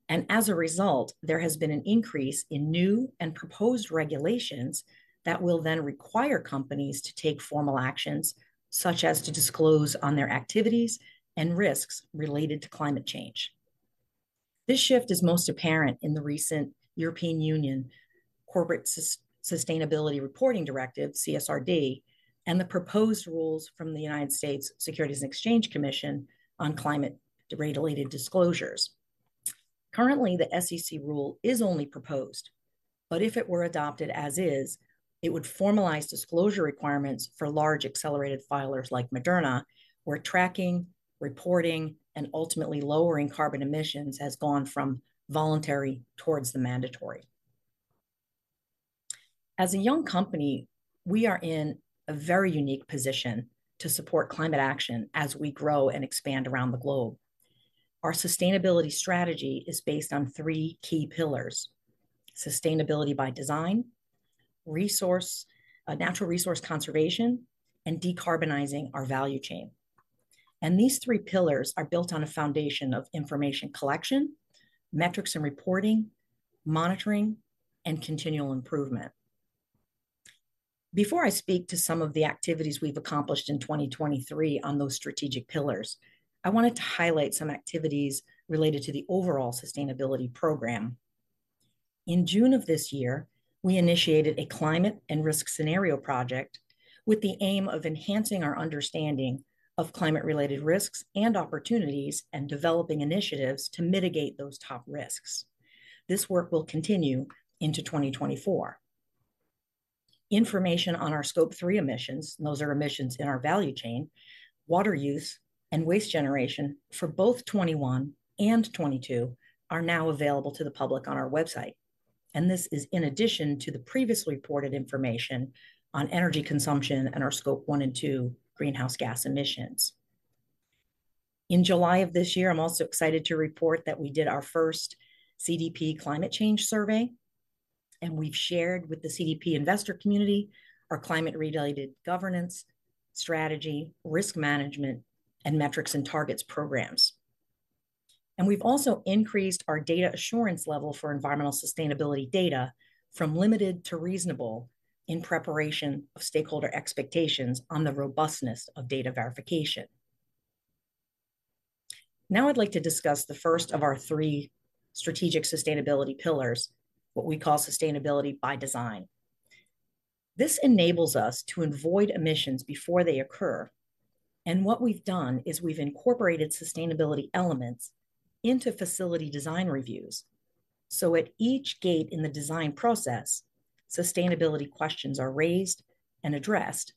And as a result, there has been an increase in new and proposed regulations that will then require companies to take formal actions, such as to disclose on their activities and risks related to climate change. This shift is most apparent in the recent European Union Corporate Sustainability Reporting Directive, CSRD, and the proposed rules from the United States Securities and Exchange Commission on climate-related disclosures... Currently, the SEC rule is only proposed, but if it were adopted as is, it would formalize disclosure requirements for large accelerated filers like Moderna, where tracking, reporting, and ultimately lowering carbon emissions has gone from voluntary towards the mandatory. As a young company, we are in a very unique position to support climate action as we grow and expand around the globe. Our sustainability strategy is based on three key pillars: sustainability by design, natural resource conservation, and decarbonizing our value chain. And these three pillars are built on a foundation of information collection, metrics and reporting, monitoring, and continual improvement. Before I speak to some of the activities we've accomplished in 2023 on those strategic pillars, I wanted to highlight some activities related to the overall sustainability program. In June of this year, we initiated a climate and risk scenario project with the aim of enhancing our understanding of climate-related risks and opportunities, and developing initiatives to mitigate those top risks. This work will continue into 2024. Information on our Scope 3 emissions, those are emissions in our value chain, water use and waste generation for both 2021 and 2022 are now available to the public on our website. This is in addition to the previously reported information on energy consumption and our Scope 1 and 2 greenhouse gas emissions. In July of this year, I'm also excited to report that we did our first CDP Climate Change survey, and we've shared with the CDP investor community our climate-related governance, strategy, risk management, and metrics and targets programs. We've also increased our data assurance level for environmental sustainability data from limited to reasonable in preparation of stakeholder expectations on the robustness of data verification. Now, I'd like to discuss the first of our three strategic sustainability pillars, what we call sustainability by design. This enables us to avoid emissions before they occur, and what we've done is we've incorporated sustainability elements into facility design reviews. So at each gate in the design process, sustainability questions are raised and addressed,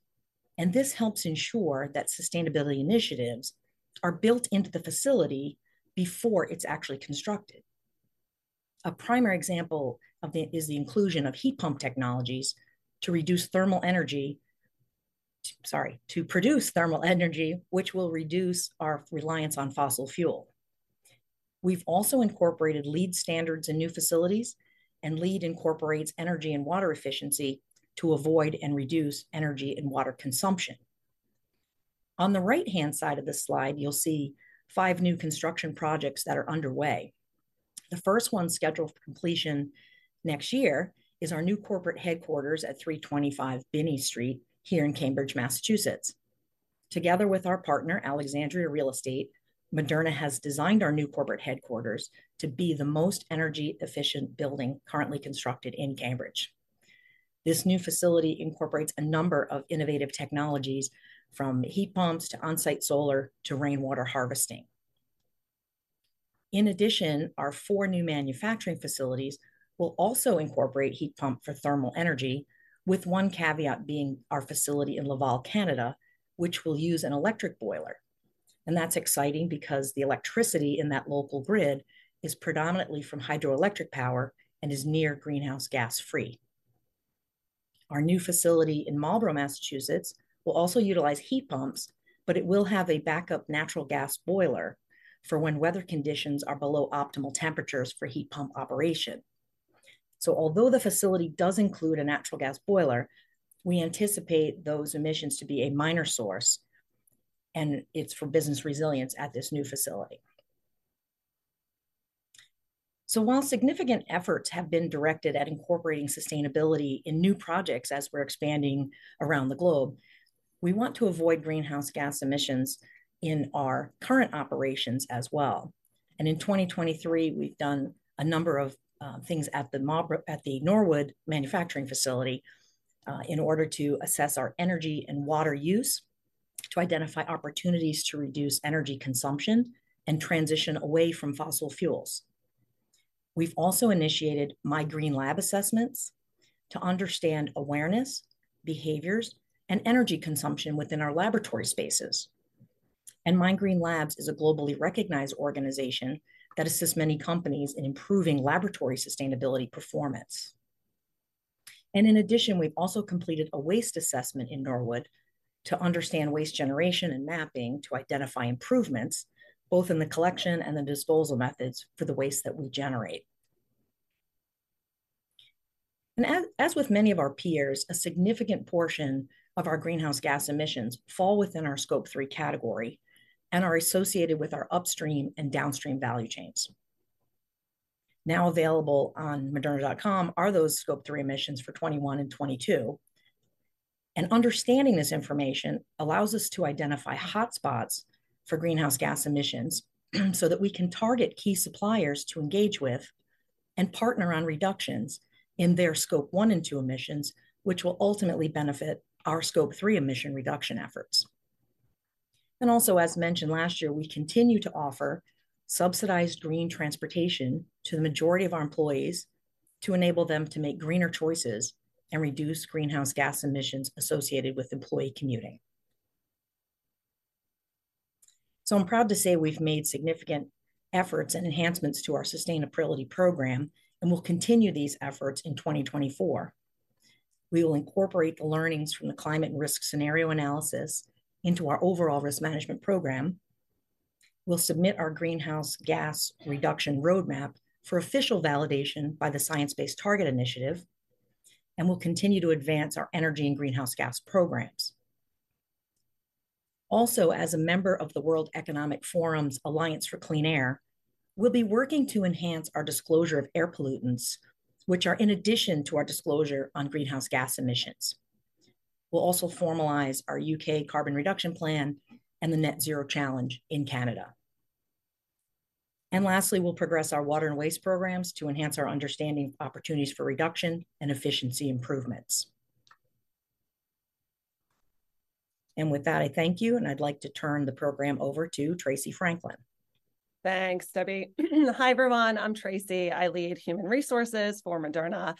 and this helps ensure that sustainability initiatives are built into the facility before it's actually constructed. A primary example of it is the inclusion of heat pump technologies to reduce thermal energy... Sorry, to produce thermal energy, which will reduce our reliance on fossil fuel. We've also incorporated LEED standards in new facilities, and LEED incorporates energy and water efficiency to avoid and reduce energy and water consumption. On the right-hand side of this slide, you'll see five new construction projects that are underway. The first one, scheduled for completion next year, is our new corporate headquarters at 325 Binney Street here in Cambridge, Massachusetts. Together with our partner, Alexandria Real Estate, Moderna has designed our new corporate headquarters to be the most energy-efficient building currently constructed in Cambridge. This new facility incorporates a number of innovative technologies, from heat pumps, to on-site solar, to rainwater harvesting. In addition, our four new manufacturing facilities will also incorporate heat pump for thermal energy, with one caveat being our facility in Laval, Canada, which will use an electric boiler. That's exciting because the electricity in that local grid is predominantly from hydroelectric power and is near greenhouse gas-free. Our new facility in Marlborough, Massachusetts, will also utilize heat pumps, but it will have a backup natural gas boiler for when weather conditions are below optimal temperatures for heat pump operation. Although the facility does include a natural gas boiler, we anticipate those emissions to be a minor source, and it's for business resilience at this new facility. While significant efforts have been directed at incorporating sustainability in new projects as we're expanding around the globe, we want to avoid greenhouse gas emissions in our current operations as well. In 2023, we've done a number of things at the Norwood manufacturing facility in order to assess our energy and water use, to identify opportunities to reduce energy consumption, and transition away from fossil fuels. We've also initiated My Green Lab assessments to understand awareness, behaviors, and energy consumption within our laboratory spaces. My Green Lab is a globally recognized organization that assists many companies in improving laboratory sustainability performance. In addition, we've also completed a waste assessment in Norwood to understand waste generation and mapping, to identify improvements both in the collection and the disposal methods for the waste that we generate. As with many of our peers, a significant portion of our greenhouse gas emissions fall within our Scope 3 category and are associated with our upstream and downstream value chains. Now available on Moderna.com are those Scope 3 emissions for 2021 and 2022. Understanding this information allows us to identify hotspots for greenhouse gas emissions, so that we can target key suppliers to engage with and partner on reductions in their Scope 1 and 2 emissions, which will ultimately benefit our Scope 3 emission reduction efforts. And also, as mentioned last year, we continue to offer subsidized green transportation to the majority of our employees to enable them to make greener choices and reduce greenhouse gas emissions associated with employee commuting. So I'm proud to say we've made significant efforts and enhancements to our sustainability program, and we'll continue these efforts in 2024. We will incorporate the learnings from the climate and risk scenario analysis into our overall risk management program. We'll submit our greenhouse gas reduction roadmap for official validation by the Science Based Targets initiative, and we'll continue to advance our energy and greenhouse gas programs. Also, as a member of the World Economic Forum's Alliance for Clean Air, we'll be working to enhance our disclosure of air pollutants, which are in addition to our disclosure on greenhouse gas emissions. We'll also formalize our U.K. carbon reduction plan and the Net-Zero Challenge in Canada. And lastly, we'll progress our water and waste programs to enhance our understanding of opportunities for reduction and efficiency improvements. And with that, I thank you, and I'd like to turn the program over to Tracey Franklin. Thanks, Debbie. Hi, everyone, I'm Tracey. I lead Human Resources for Moderna.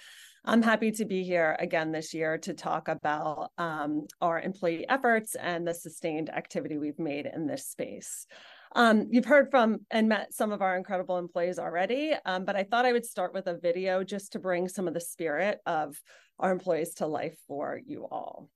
I'm happy to be here again this year to talk about our employee efforts and the sustained activity we've made in this space. You've heard from and met some of our incredible employees already, but I thought I would start with a video just to bring some of the spirit of our employees to life for you all.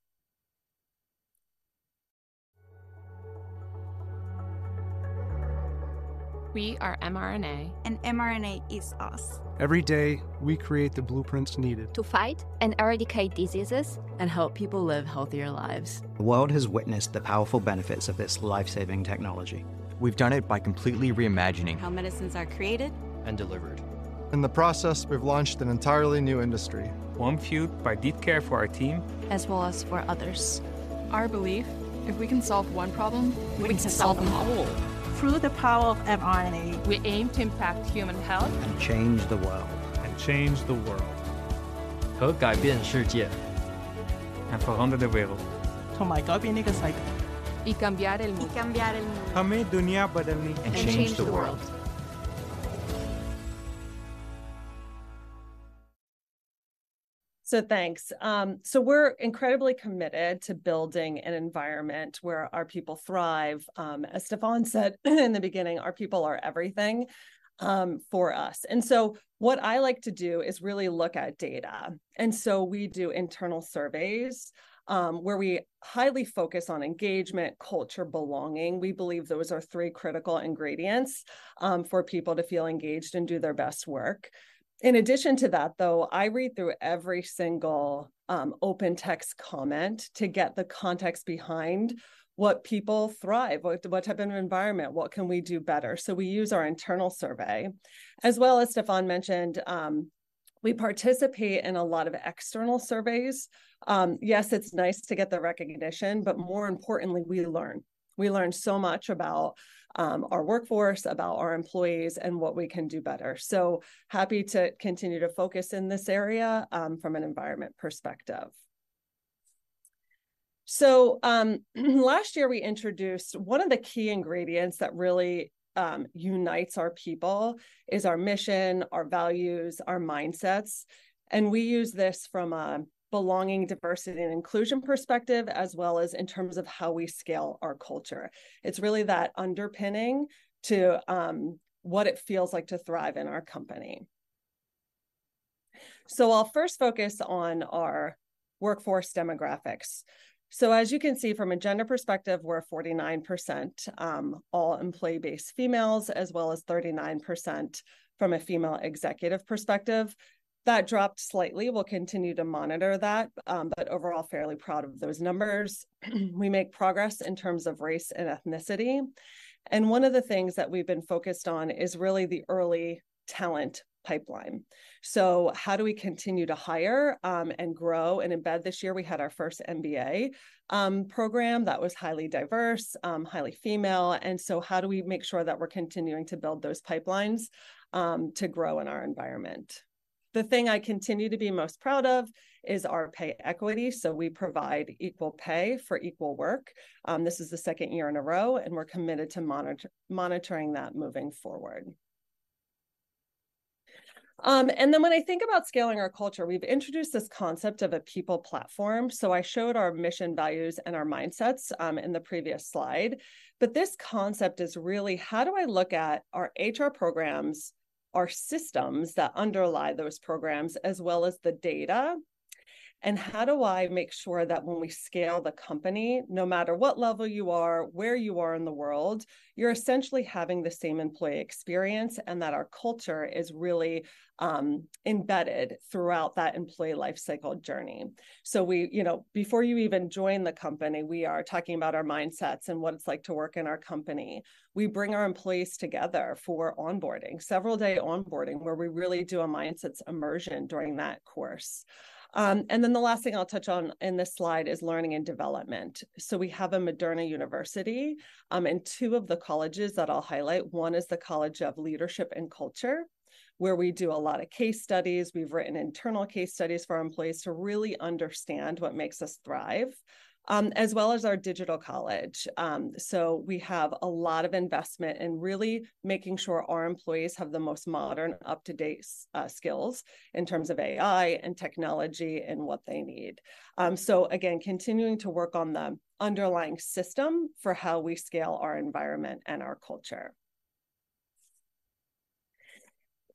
We are mRNA. mRNA is us. Every day, we create the blueprints needed- To fight and eradicate diseases. Help people live healthier lives. The world has witnessed the powerful benefits of this life-saving technology. We've done it by completely reimagining- How medicines are created- And delivered. In the process, we've launched an entirely new industry. One fueled by deep care for our team- As well as for others. Our belief: if we can solve one problem, we can solve them all. Through the power of mRNA- We aim to impact human health. Change the world. Change the world. And change the world. And for 100 of world. To make up a new cycle. Y cambiar el mundo. Y cambiar el mundo.... And change the world. So thanks. So we're incredibly committed to building an environment where our people thrive. As Stéphane said in the beginning, our people are everything, for us. And so what I like to do is really look at data, and so we do internal surveys, where we highly focus on engagement, culture, belonging. We believe those are three critical ingredients, for people to feel engaged and do their best work. In addition to that, though, I read through every single, open text comment to get the context behind what people thrive, what, what type of environment, what can we do better? So we use our internal survey. As well as Stéphane mentioned, we participate in a lot of external surveys. Yes, it's nice to get the recognition, but more importantly, we learn. We learn so much about our workforce, about our employees, and what we can do better. So happy to continue to focus in this area from an environment perspective. Last year, we introduced one of the key ingredients that really unites our people is our mission, our values, our mindsets, and we use this from a belonging, diversity, and inclusion perspective, as well as in terms of how we scale our culture. It's really that underpinning to what it feels like to thrive in our company. So I'll first focus on our workforce demographics. As you can see, from a gender perspective, we're 49% all employee-based females, as well as 39% from a female executive perspective. That dropped slightly. We'll continue to monitor that, but overall, fairly proud of those numbers. We make progress in terms of race and ethnicity, and one of the things that we've been focused on is really the early talent pipeline. So how do we continue to hire, and grow and embed? This year, we had our first MBA program that was highly diverse, highly female, and so how do we make sure that we're continuing to build those pipelines to grow in our environment? The thing I continue to be most proud of is our pay equity, so we provide equal pay for equal work. This is the second year in a row, and we're committed to monitoring that moving forward. And then when I think about scaling our culture, we've introduced this concept of a people platform. So I showed our mission, values, and our mindsets, in the previous slide, but this concept is really: How do I look at our HR programs, our systems that underlie those programs, as well as the data, and how do I make sure that when we scale the company, no matter what level you are, where you are in the world, you're essentially having the same employee experience, and that our culture is really, embedded throughout that employee lifecycle journey? So we... You know, before you even join the company, we are talking about our mindsets and what it's like to work in our company. We bring our employees together for onboarding, several-day onboarding, where we really do a mindsets immersion during that course. And then the last thing I'll touch on in this slide is learning and development. So we have a Moderna University, and two of the colleges that I'll highlight, one is the College of Leadership and Culture, where we do a lot of case studies. We've written internal case studies for our employees to really understand what makes us thrive, as well as our Digital College. So we have a lot of investment in really making sure our employees have the most modern, up-to-date skills in terms of AI and technology and what they need. So again, continuing to work on the underlying system for how we scale our environment and our culture.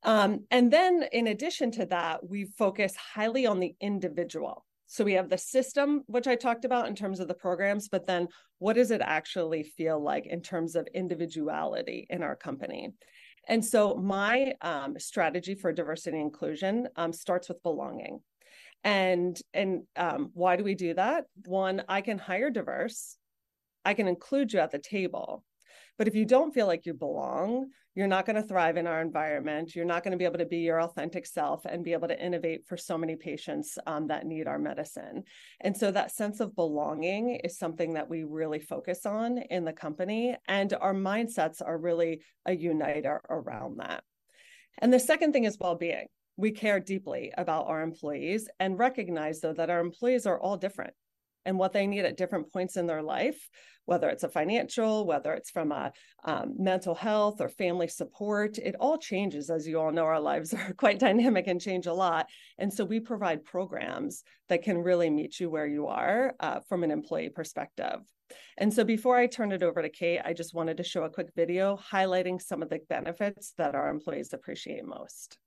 And then in addition to that, we focus highly on the individual. So we have the system, which I talked about in terms of the programs, but then what does it actually feel like in terms of individuality in our company? My strategy for diversity and inclusion starts with belonging. And why do we do that? One, I can hire diverse, I can include you at the table, but if you don't feel like you belong, you're not gonna thrive in our environment, you're not gonna be able to be your authentic self and be able to innovate for so many patients that need our medicine. That sense of belonging is something that we really focus on in the company, and our mindsets are really a uniter around that. The second thing is wellbeing. We care deeply about our employees, and recognize, though, that our employees are all different, and what they need at different points in their life, whether it's a financial, whether it's from a mental health or family support, it all changes. As you all know, our lives are quite dynamic and change a lot, and so we provide programs that can really meet you where you are, from an employee perspective. So before I turn it over to Kate, I just wanted to show a quick video highlighting some of the benefits that our employees appreciate most.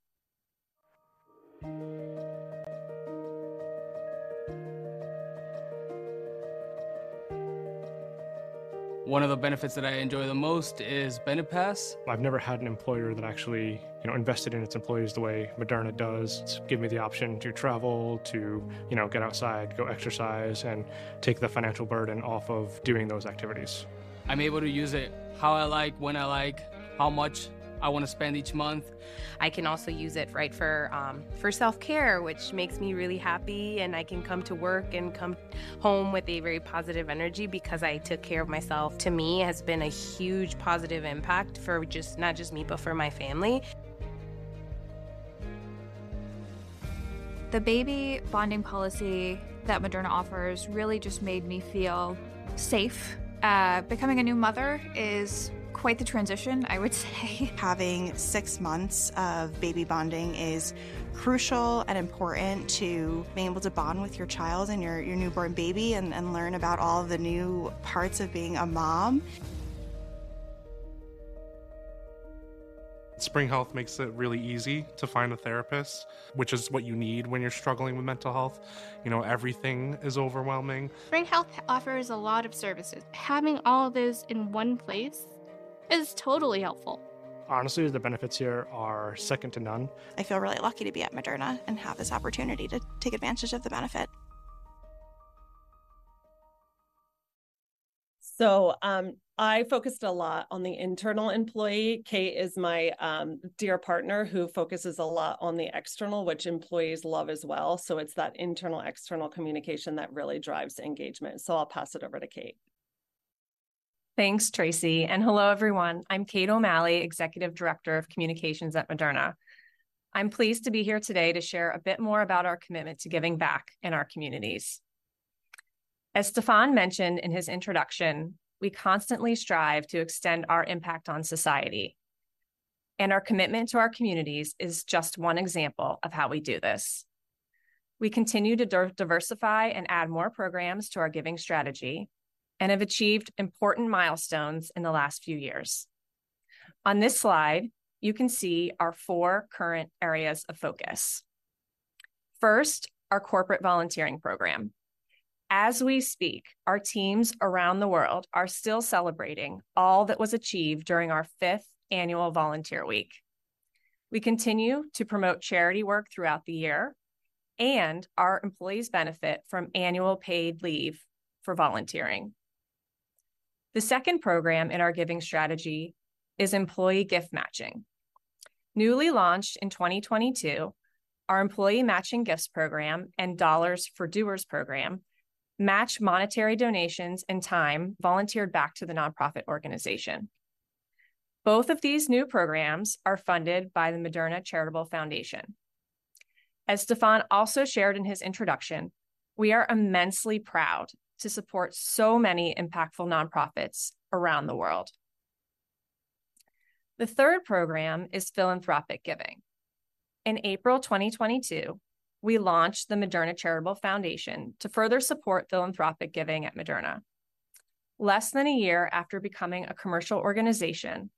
One of the benefits that I enjoy the most is Benepass. I've never had an employer that actually, you know, invested in its employees the way Moderna does. It's given me the option to travel, to, you know, get outside, go exercise, and take the financial burden off of doing those activities. I'm able to use it how I like, when I like, how much I wanna spend each month. I can also use it, right, for self-care, which makes me really happy, and I can come to work and come home with a very positive energy because I took care of myself. To me, it has been a huge positive impact for just, not just me, but for my family. The baby bonding policy that Moderna offers really just made me feel safe. Becoming a new mother is quite the transition, I would say. Having six months of baby bonding is crucial and important to being able to bond with your child and your newborn baby, and learn about all the new parts of being a mom. Spring Health makes it really easy to find a therapist, which is what you need when you're struggling with mental health. You know, everything is overwhelming. Spring Health offers a lot of services. Having all of those in one place is totally helpful. Honestly, the benefits here are second to none. I feel really lucky to be at Moderna and have this opportunity to take advantage of the benefit. So, I focused a lot on the internal employee. Kate is my dear partner, who focuses a lot on the external, which employees love as well, so it's that internal-external communication that really drives engagement. So I'll pass it over to Kate. Thanks, Tracey, and hello, everyone. I'm Kate O'Malley, Executive Director of Communications at Moderna. I'm pleased to be here today to share a bit more about our commitment to giving back in our communities. As Stéphane mentioned in his introduction, we constantly strive to extend our impact on society, and our commitment to our communities is just one example of how we do this. We continue to diversify and add more programs to our giving strategy, and have achieved important milestones in the last few years. On this slide, you can see our four current areas of focus. First, our corporate volunteering program. As we speak, our teams around the world are still celebrating all that was achieved during our fifth annual Volunteer Week. We continue to promote charity work throughout the year, and our employees benefit from annual paid leave for volunteering. The second program in our giving strategy is employee gift matching. Newly launched in 2022, our employee matching gifts program and Dollars for Doers program match monetary donations and time volunteered back to the nonprofit organization. Both of these new programs are funded by the Moderna Charitable Foundation. As Stéphane also shared in his introduction, we are immensely proud to support so many impactful nonprofits around the world. The third program is philanthropic giving. In April 2022, we launched the Moderna Charitable Foundation to further support philanthropic giving at Moderna. Less than a year after becoming a commercial organization,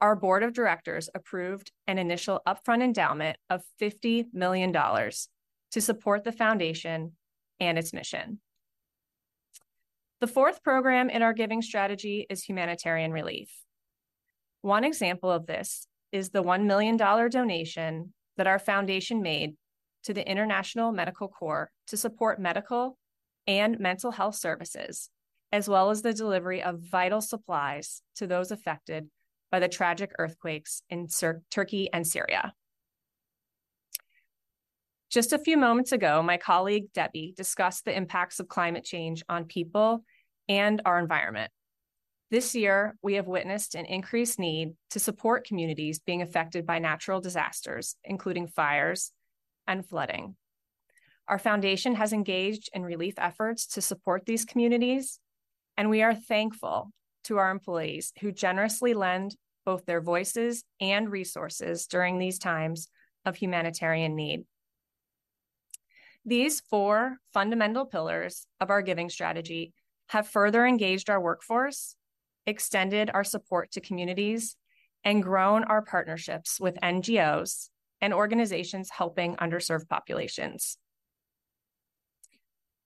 our board of directors approved an initial upfront endowment of $50 million to support the foundation and its mission. The fourth program in our giving strategy is humanitarian relief. One example of this is the $1 million donation that our foundation made to the International Medical Corps to support medical and mental health services, as well as the delivery of vital supplies to those affected by the tragic earthquakes in Syria and Turkey. Just a few moments ago, my colleague, Debbie, discussed the impacts of climate change on people and our environment. This year, we have witnessed an increased need to support communities being affected by natural disasters, including fires and flooding. Our foundation has engaged in relief efforts to support these communities, and we are thankful to our employees, who generously lend both their voices and resources during these times of humanitarian need. These four fundamental pillars of our giving strategy have further engaged our workforce, extended our support to communities, and grown our partnerships with NGOs and organizations helping underserved populations.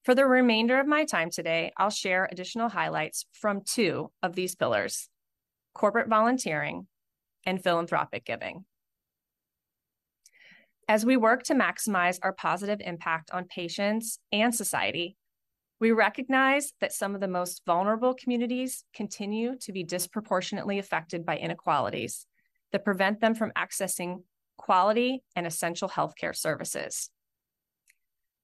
For the remainder of my time today, I'll share additional highlights from two of these pillars: corporate volunteering and philanthropic giving. As we work to maximize our positive impact on patients and society, we recognize that some of the most vulnerable communities continue to be disproportionately affected by inequalities that prevent them from accessing quality and essential healthcare services.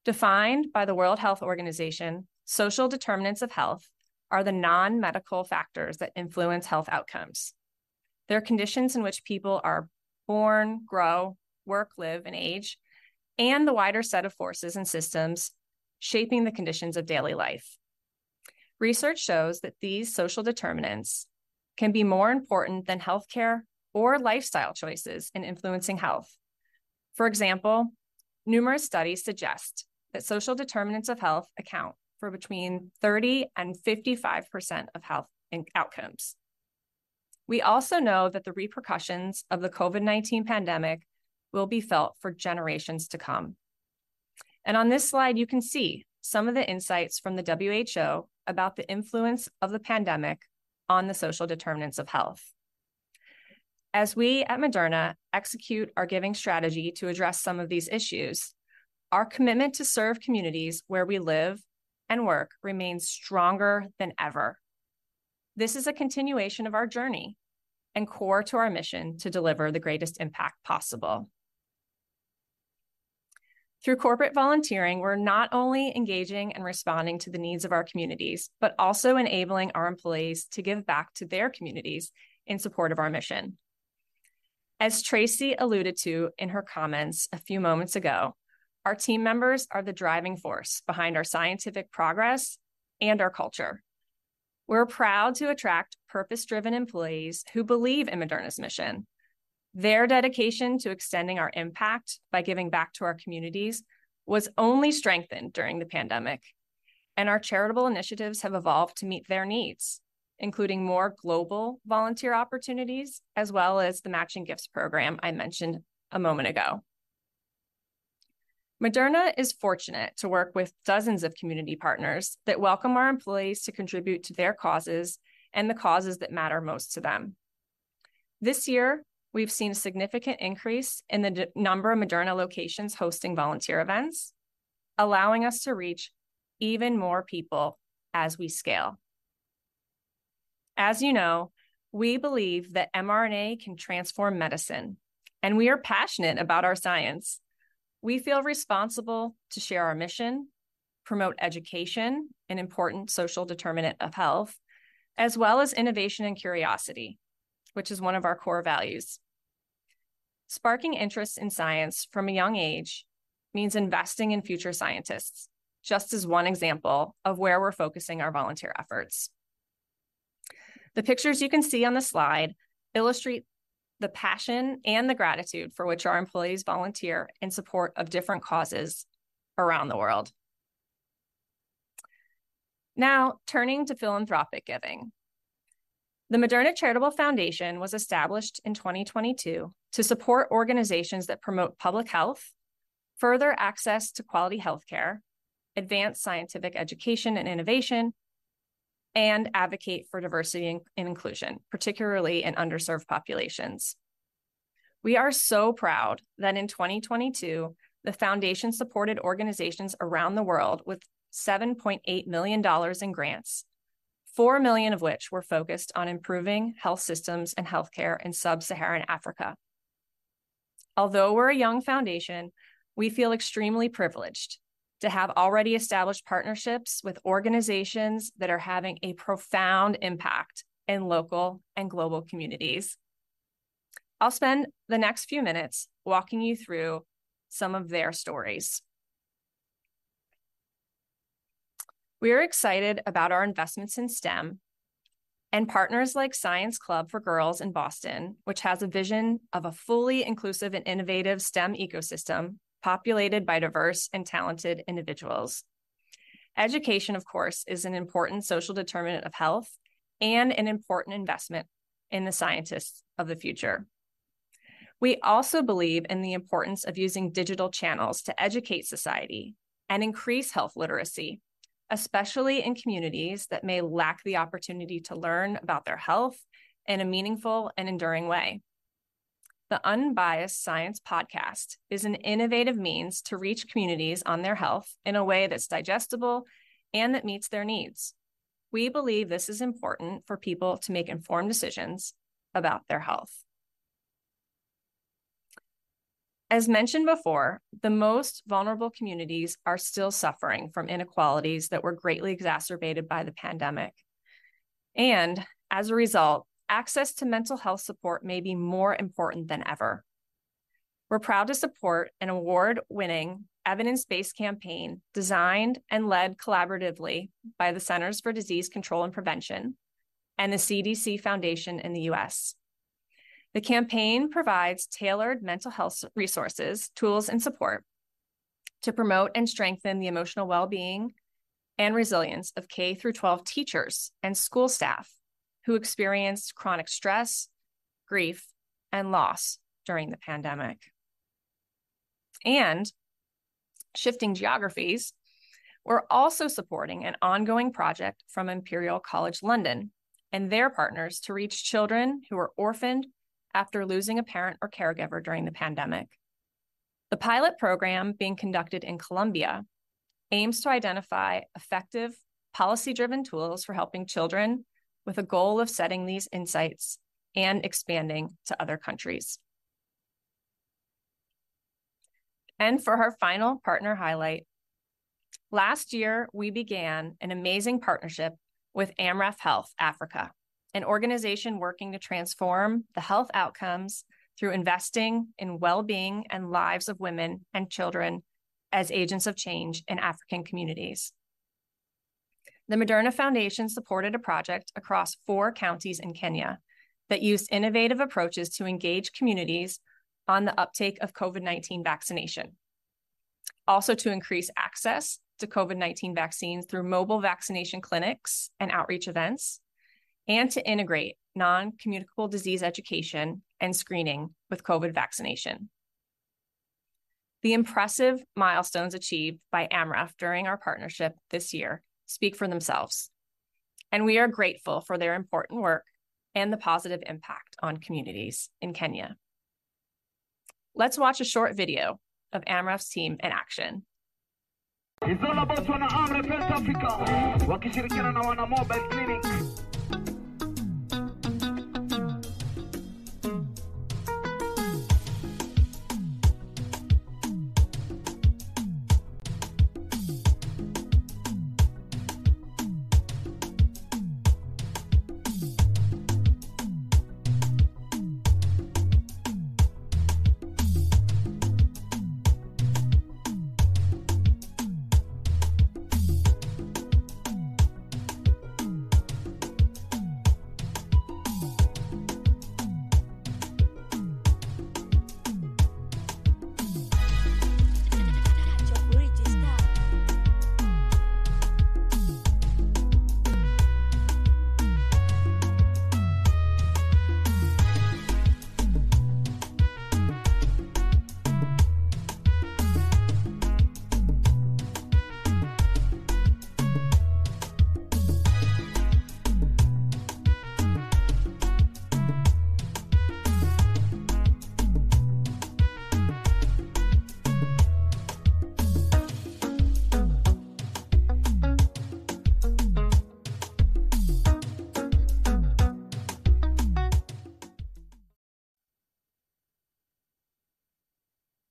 Defined by the World Health Organization, social determinants of health are the non-medical factors that influence health outcomes. They're conditions in which people are born, grow, work, live, and age, and the wider set of forces and systems shaping the conditions of daily life. Research shows that these social determinants can be more important than healthcare or lifestyle choices in influencing health. For example, numerous studies suggest that social determinants of health account for between 30% and 55% of health in outcomes. We also know that the repercussions of the COVID-19 pandemic will be felt for generations to come, and on this slide, you can see some of the insights from the WHO about the influence of the pandemic on the social determinants of health. As we at Moderna execute our giving strategy to address some of these issues, our commitment to serve communities where we live and work remains stronger than ever. This is a continuation of our journey and core to our mission to deliver the greatest impact possible. Through corporate volunteering, we're not only engaging and responding to the needs of our communities, but also enabling our employees to give back to their communities in support of our mission. As Tracey alluded to in her comments a few moments ago, our team members are the driving force behind our scientific progress and our culture. We're proud to attract purpose-driven employees who believe in Moderna's mission. Their dedication to extending our impact by giving back to our communities was only strengthened during the pandemic, and our charitable initiatives have evolved to meet their needs, including more global volunteer opportunities, as well as the matching gifts program I mentioned a moment ago. Moderna is fortunate to work with dozens of community partners that welcome our employees to contribute to their causes and the causes that matter most to them. This year, we've seen a significant increase in the number of Moderna locations hosting volunteer events, allowing us to reach even more people as we scale. As you know, we believe that mRNA can transform medicine, and we are passionate about our science. We feel responsible to share our mission, promote education, an important social determinant of health, as well as innovation and curiosity, which is one of our core values. Sparking interest in science from a young age means investing in future scientists, just as one example of where we're focusing our volunteer efforts. The pictures you can see on the slide illustrate the passion and the gratitude for which our employees volunteer in support of different causes around the world. Now, turning to philanthropic giving. The Moderna Charitable Foundation was established in 2022 to support organizations that promote public health, further access to quality healthcare, advance scientific education and innovation, and advocate for diversity and, and inclusion, particularly in underserved populations. We are so proud that in 2022, the foundation supported organizations around the world with $7.8 million in grants, $4 million of which were focused on improving health systems and healthcare in sub-Saharan Africa. Although we're a young foundation, we feel extremely privileged to have already established partnerships with organizations that are having a profound impact in local and global communities. I'll spend the next few minutes walking you through some of their stories. We are excited about our investments in STEM and partners like Science Club for Girls in Boston, which has a vision of a fully inclusive and innovative STEM ecosystem populated by diverse and talented individuals. Education, of course, is an important social determinant of health and an important investment in the scientists of the future. We also believe in the importance of using digital channels to educate society and increase health literacy, especially in communities that may lack the opportunity to learn about their health in a meaningful and enduring way. The Unbiased Science Podcast is an innovative means to reach communities on their health in a way that's digestible and that meets their needs. We believe this is important for people to make informed decisions about their health. As mentioned before, the most vulnerable communities are still suffering from inequalities that were greatly exacerbated by the pandemic, and as a result, access to mental health support may be more important than ever. We're proud to support an award-winning, evidence-based campaign designed and led collaboratively by the Centers for Disease Control and Prevention and the CDC Foundation in the U.S.... The campaign provides tailored mental health resources, tools, and support to promote and strengthen the emotional well-being and resilience of K-12 teachers and school staff who experienced chronic stress, grief, and loss during the pandemic. Shifting geographies, we're also supporting an ongoing project from Imperial College London and their partners to reach children who are orphaned after losing a parent or caregiver during the pandemic. The pilot program being conducted in Colombia aims to identify effective policy-driven tools for helping children, with a goal of setting these insights and expanding to other countries. For our final partner highlight, last year, we began an amazing partnership with Amref Health Africa, an organization working to transform the health outcomes through investing in well-being and lives of women and children as agents of change in African communities. The Moderna Charitable Foundation supported a project across four counties in Kenya that used innovative approaches to engage communities on the uptake of COVID-19 vaccination. Also, to increase access to COVID-19 vaccines through mobile vaccination clinics and outreach events, and to integrate non-communicable disease education and screening with COVID vaccination. The impressive milestones achieved by Amref during our partnership this year speak for themselves, and we are grateful for their important work and the positive impact on communities in Kenya. Let's watch a short video of Amref's team in action. It's all about Amref Health Africa. Welcome to the Kenya Nana Mobile Clinic.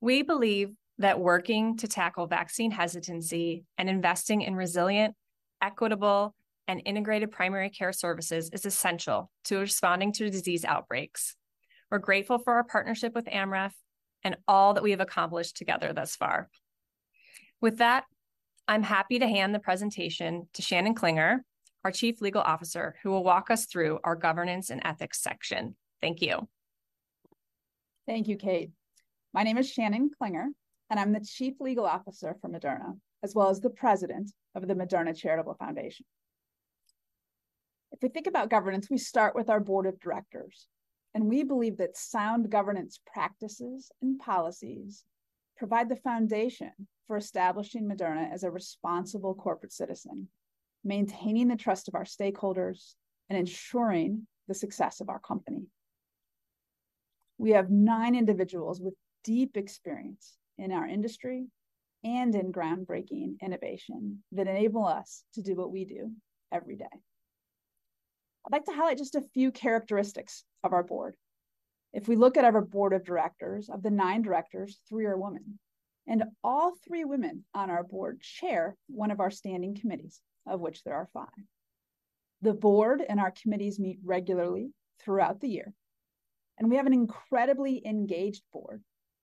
We believe that working to tackle vaccine hesitancy and investing in resilient, equitable, and integrated primary care services is essential to responding to disease outbreaks. We're grateful for our partnership with Amref and all that we have accomplished together thus far. With that, I'm happy to hand the presentation to Shannon Klinger, our Chief Legal Officer, who will walk us through our governance and ethics section. Thank you. Thank you, Kate. My name is Shannon Klinger, and I'm the Chief Legal Officer for Moderna, as well as the President of the Moderna Charitable Foundation. If we think about governance, we start with our board of directors, and we believe that sound governance practices and policies provide the foundation for establishing Moderna as a responsible corporate citizen, maintaining the trust of our stakeholders, and ensuring the success of our company. We have nine individuals with deep experience in our industry and in groundbreaking innovation that enable us to do what we do every day. I'd like to highlight just a few characteristics of our board. If we look at our board of directors, of the nine directors, three are women, and all three women on our board chair one of our standing committees, of which there are five. The board and our committees meet regularly throughout the year, and we have an incredibly engaged board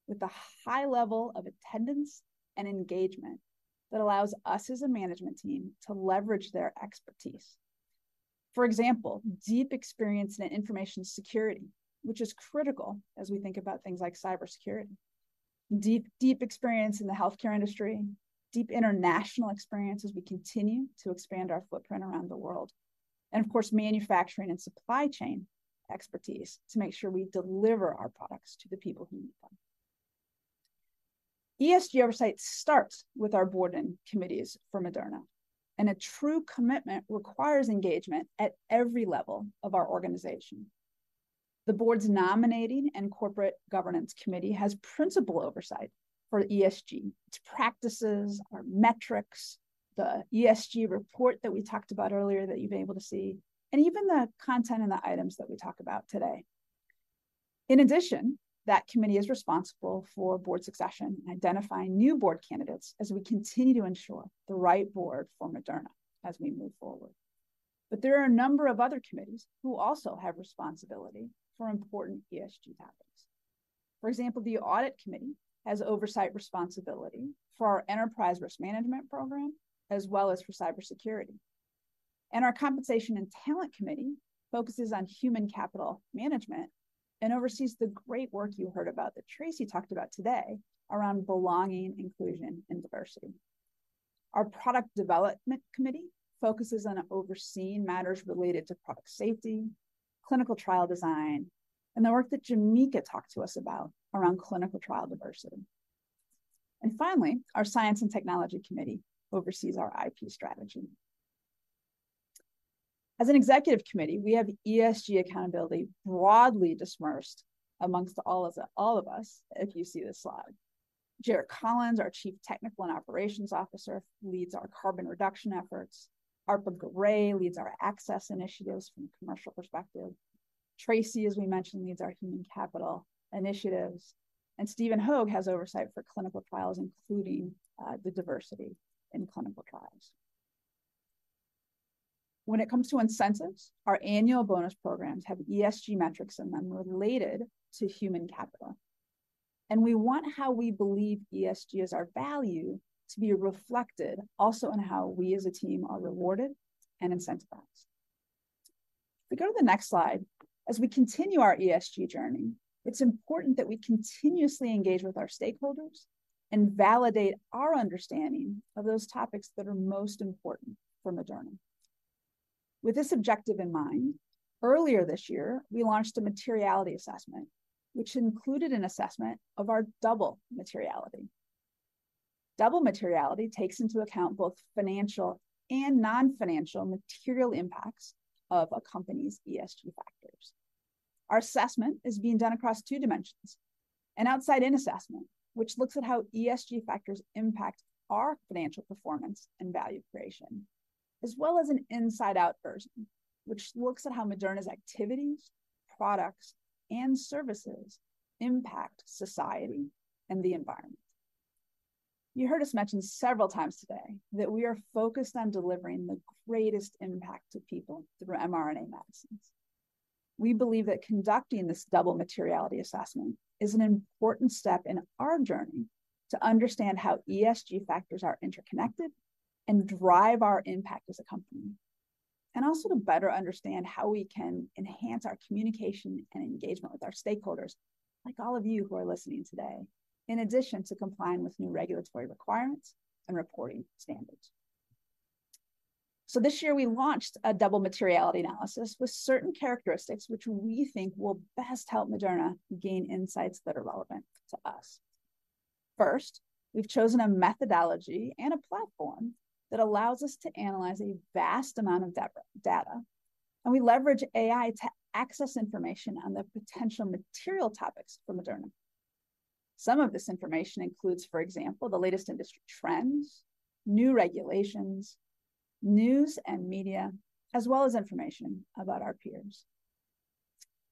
with a high level of attendance and engagement that allows us as a management team to leverage their expertise. For example, deep experience in information security, which is critical as we think about things like cybersecurity. Deep, deep experience in the healthcare industry, deep international experience as we continue to expand our footprint around the world, and of course, manufacturing and supply chain expertise to make sure we deliver our products to the people who need them. ESG oversight starts with our board and committees for Moderna, and a true commitment requires engagement at every level of our organization. The board's Nominating and Corporate Governance Committee has principal oversight for ESG. Its practices, our metrics, the ESG report that we talked about earlier that you've been able to see, and even the content and the items that we talk about today. In addition, that committee is responsible for board succession and identifying new board candidates as we continue to ensure the right board for Moderna as we move forward. There are a number of other committees who also have responsibility for important ESG topics. For example, the Audit Committee has oversight responsibility for our enterprise risk management program, as well as for cybersecurity. Our Compensation and Talent Committee focuses on human capital management and oversees the great work you heard about that Tracey talked about today around belonging, inclusion, and diversity. Our Product Development Committee focuses on overseeing matters related to product safety, clinical trial design, and the work that Jameka talked to us about around clinical trial diversity. And finally, our Science and Technology Committee oversees our IP strategy. As an executive committee, we have ESG accountability broadly dispersed amongst all of us, all of us, if you see this slide. Jerh Collins, our Chief Technical and Operations Officer, leads our carbon reduction efforts. Arpa Garay leads our access initiatives from a commercial perspective. Tracey, as we mentioned, leads our human capital initiatives, and Stephen Hoge has oversight for clinical trials, including the diversity in clinical trials. When it comes to incentives, our annual bonus programs have ESG metrics in them related to human capital, and we want how we believe ESG is our value to be reflected also in how we as a team are rewarded and incentivized. If we go to the next slide, as we continue our ESG journey, it's important that we continuously engage with our stakeholders and validate our understanding of those topics that are most important for Moderna. With this objective in mind, earlier this year, we launched a materiality assessment, which included an assessment of our double materiality. Double materiality takes into account both financial and non-financial material impacts of a company's ESG factors. Our assessment is being done across two dimensions: an outside-in assessment, which looks at how ESG factors impact our financial performance and value creation, as well as an inside-out version, which looks at how Moderna's activities, products, and services impact society and the environment. You heard us mention several times today that we are focused on delivering the greatest impact to people through mRNA medicines. We believe that conducting this double materiality assessment is an important step in our journey to understand how ESG factors are interconnected and drive our impact as a company, and also to better understand how we can enhance our communication and engagement with our stakeholders, like all of you who are listening today, in addition to complying with new regulatory requirements and reporting standards. So this year, we launched a double materiality analysis with certain characteristics which we think will best help Moderna gain insights that are relevant to us. First, we've chosen a methodology and a platform that allows us to analyze a vast amount of data, data, and we leverage AI to access information on the potential material topics for Moderna. Some of this information includes, for example, the latest industry trends, new regulations, news and media, as well as information about our peers.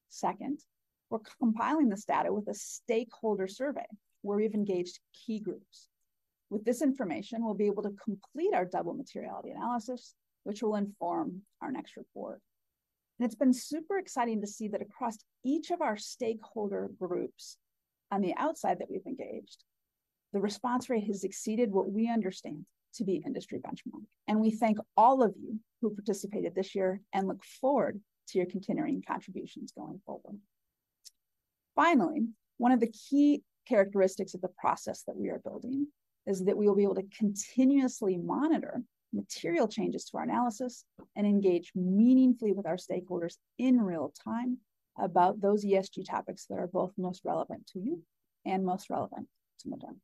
Second, we're compiling this data with a stakeholder survey, where we've engaged key groups. With this information, we'll be able to complete our double materiality analysis, which will inform our next report. It's been super exciting to see that across each of our stakeholder groups on the outside that we've engaged, the response rate has exceeded what we understand to be industry benchmark, and we thank all of you who participated this year and look forward to your continuing contributions going forward. Finally, one of the key characteristics of the process that we are building is that we will be able to continuously monitor material changes to our analysis and engage meaningfully with our stakeholders in real time about those ESG topics that are both most relevant to you and most relevant to Moderna.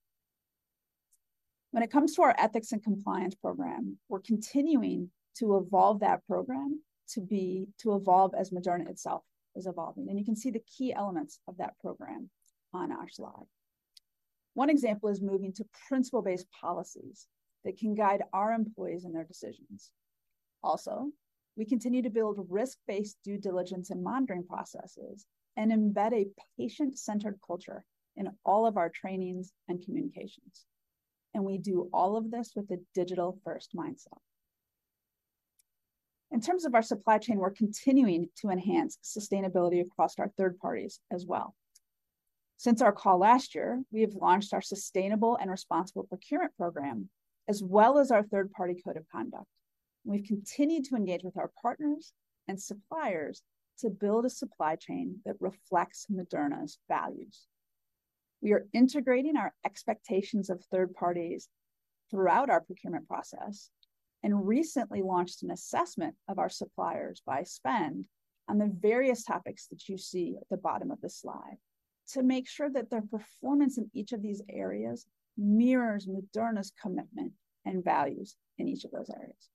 When it comes to our ethics and compliance program, we're continuing to evolve that program to evolve as Moderna itself is evolving, and you can see the key elements of that program on our slide. One example is moving to principle-based policies that can guide our employees in their decisions. Also, we continue to build risk-based due diligence and monitoring processes and embed a patient-centered culture in all of our trainings and communications, and we do all of this with a digital-first mindset. In terms of our supply chain, we're continuing to enhance sustainability across our third parties as well. Since our call last year, we have launched our Sustainable and Responsible Procurement Program, as well as our Third-Party Code of Conduct. We've continued to engage with our partners and suppliers to build a supply chain that reflects Moderna's values. We are integrating our expectations of third parties throughout our procurement process and recently launched an assessment of our suppliers by spend on the various topics that you see at the bottom of the slide, to make sure that their performance in each of these areas mirrors Moderna's commitment and values in each of those areas.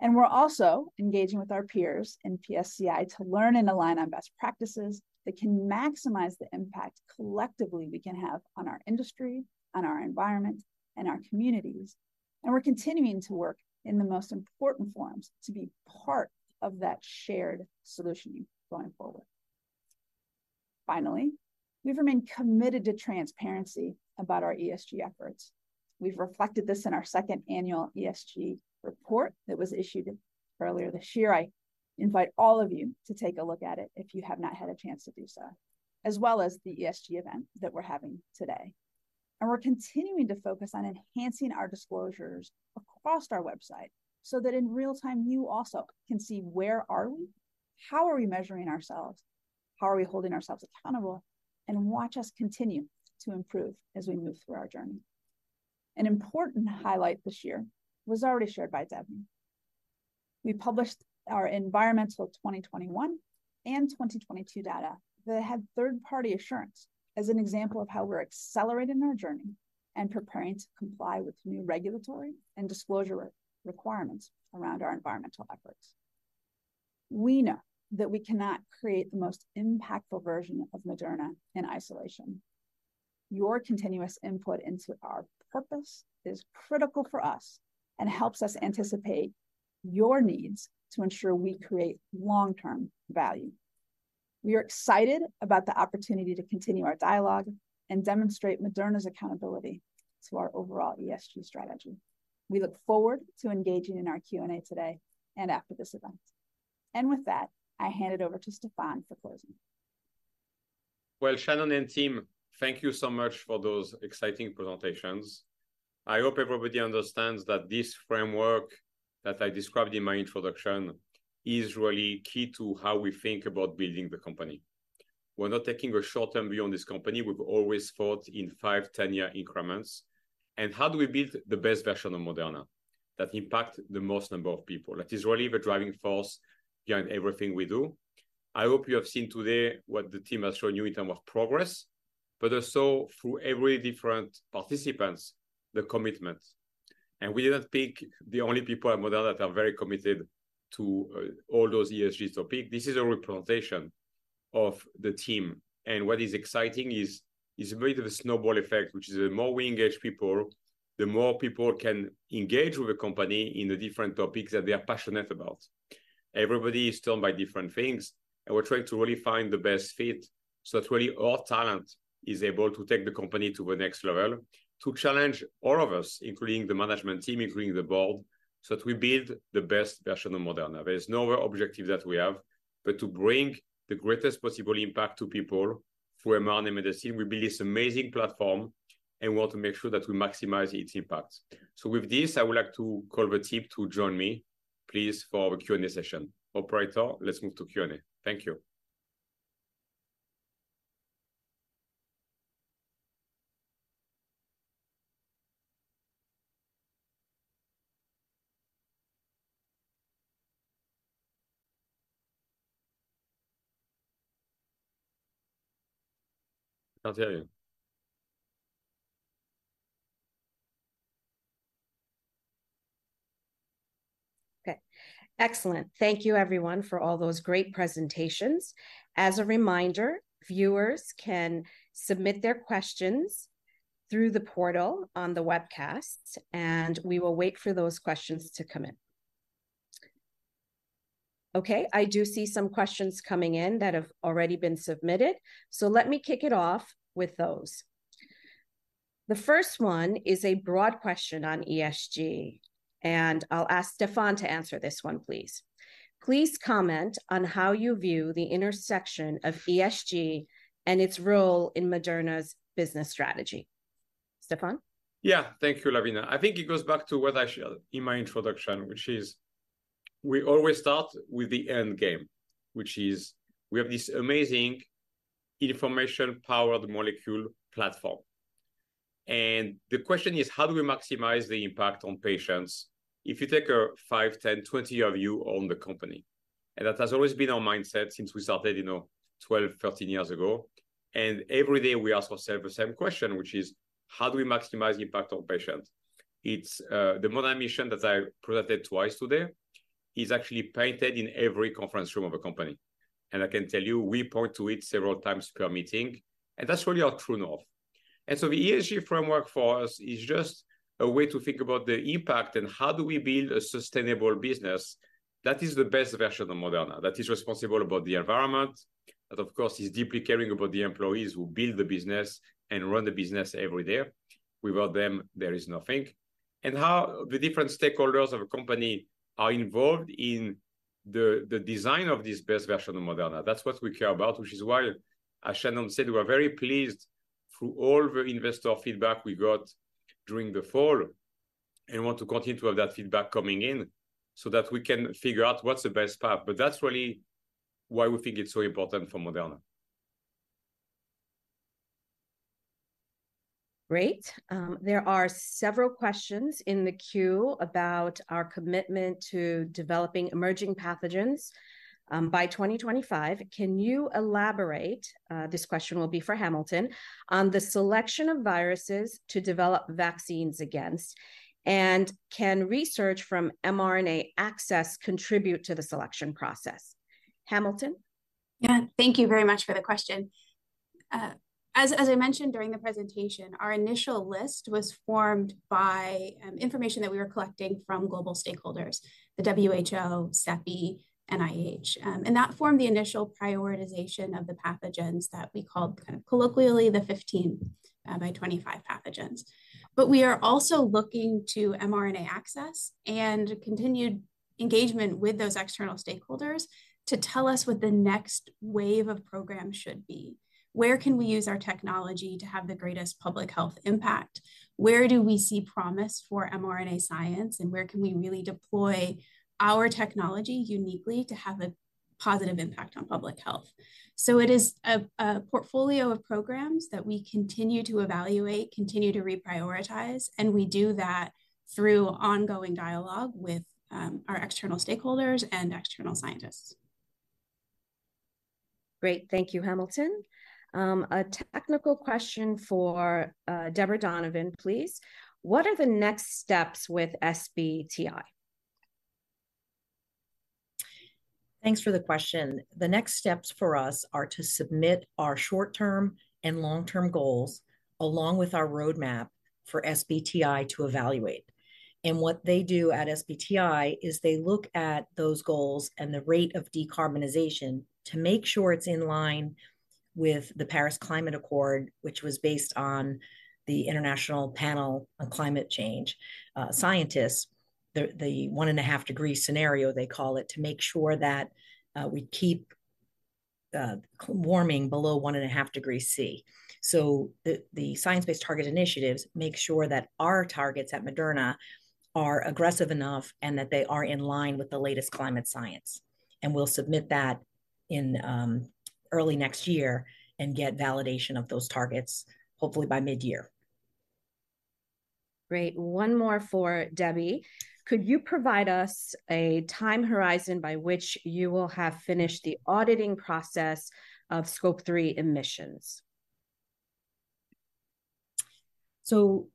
We're also engaging with our peers in PSCI to learn and align on best practices that can maximize the impact collectively we can have on our industry, on our environment, and our communities. We're continuing to work in the most important forums to be part of that shared solution going forward. Finally, we've remained committed to transparency about our ESG efforts. We've reflected this in our second annual ESG report that was issued earlier this year. I invite all of you to take a look at it if you have not had a chance to do so, as well as the ESG event that we're having today... and we're continuing to focus on enhancing our disclosures across our website, so that in real time you also can see where are we, how are we measuring ourselves, how are we holding ourselves accountable, and watch us continue to improve as we move through our journey. An important highlight this year was already shared by Debbie. We published our environmental 2021 and 2022 data that had third-party assurance as an example of how we're accelerating our journey and preparing to comply with new regulatory and disclosure requirements around our environmental efforts. We know that we cannot create the most impactful version of Moderna in isolation. Your continuous input into our purpose is critical for us, and helps us anticipate your needs to ensure we create long-term value. We are excited about the opportunity to continue our dialogue and demonstrate Moderna's accountability to our overall ESG strategy. We look forward to engaging in our Q&A today and after this event. With that, I hand it over to Stéphane for closing. Well, Shannon and team, thank you so much for those exciting presentations. I hope everybody understands that this framework that I described in my introduction is really key to how we think about building the company. We're not taking a short-term view on this company; we've always thought in five, 10-year increments. And how do we build the best version of Moderna that impact the most number of people? That is really the driving force behind everything we do. I hope you have seen today what the team has shown you in terms of progress, but also through every different participants, the commitment. And we didn't pick the only people at Moderna that are very committed to all those ESG topics. This is a representation of the team, and what is exciting is a bit of a snowball effect, which is the more we engage people, the more people can engage with the company in the different topics that they are passionate about. Everybody is turned by different things, and we're trying to really find the best fit, so that really all talent is able to take the company to the next level, to challenge all of us, including the management team, including the board, so that we build the best version of Moderna. There is no other objective that we have, but to bring the greatest possible impact to people through mRNA medicine. We build this amazing platform, and we want to make sure that we maximize its impact. So with this, I would like to call the team to join me, please, for our Q&A session. Operator, let's move to Q&A. Thank you. I'll tell you. Okay, excellent. Thank you everyone for all those great presentations. As a reminder, viewers can submit their questions through the portal on the webcast, and we will wait for those questions to come in. Okay, I do see some questions coming in that have already been submitted, so let me kick it off with those. The first one is a broad question on ESG, and I'll ask Stéphane to answer this one, please. Please comment on how you view the intersection of ESG and its role in Moderna's business strategy. Stéphane? Yeah. Thank you, Lavina. I think it goes back to what I said in my introduction, which is we always start with the end game, which is we have this amazing information-powered molecule platform. And the question is: how do we maximize the impact on patients if you take a five, 10-, 20-year view on the company? And that has always been our mindset since we started, you know, 12, 13 years ago. And every day we ask ourselves the same question, which is: how do we maximize the impact on patients? It's the Moderna mission that I presented twice today, is actually painted in every conference room of the company. And I can tell you, we point to it several times per meeting, and that's really our true north. And so, the ESG framework for us is just a way to think about the impact, and how do we build a sustainable business that is the best version of Moderna, that is responsible about the environment, that, of course, is deeply caring about the employees who build the business and run the business every day. Without them, there is nothing. And how the different stakeholders of a company are involved in the design of this best version of Moderna. That's what we care about, which is why, as Shannon said, we are very pleased through all the investor feedback we got during the fall, and want to continue to have that feedback coming in, so that we can figure out what's the best path. But that's really why we think it's so important for Moderna. Great. There are several questions in the queue about our commitment to developing emerging pathogens by 2025. Can you elaborate? This question will be for Hamilton on the selection of viruses to develop vaccines against, and can research from mRNA Access contribute to the selection process? Hamilton? Yeah, thank you very much for the question. As I mentioned during the presentation, our initial list was formed by information that we were collecting from global stakeholders, the WHO, CEPI, NIH. And that formed the initial prioritization of the pathogens that we called kind of colloquially, the 15 by 25 pathogens. But we are also looking to mRNA Access and continued-... engagement with those external stakeholders to tell us what the next wave of programs should be. Where can we use our technology to have the greatest public health impact? Where do we see promise for mRNA science, and where can we really deploy our technology uniquely to have a positive impact on public health? So it is a portfolio of programs that we continue to evaluate, continue to reprioritize, and we do that through ongoing dialogue with our external stakeholders and external scientists. Great. Thank you, Hamilton. A technical question for, Debbie Donovan, please: "What are the next steps with SBTi? Thanks for the question. The next steps for us are to submit our short-term and long-term goals, along with our roadmap for SBTi to evaluate. And what they do at SBTi is they look at those goals and the rate of decarbonization to make sure it's in line with the Paris Climate Accord, which was based on the International Panel on Climate Change. Scientists, the 1.5-degree scenario, they call it, to make sure that we keep warming below 1.5 degrees Celsius. So the science-based target initiatives make sure that our targets at Moderna are aggressive enough and that they are in line with the latest climate science, and we'll submit that in early next year and get validation of those targets hopefully by midyear. Great. One more for Debbie: "Could you provide us a time horizon by which you will have finished the auditing process of Scope 3 emissions? So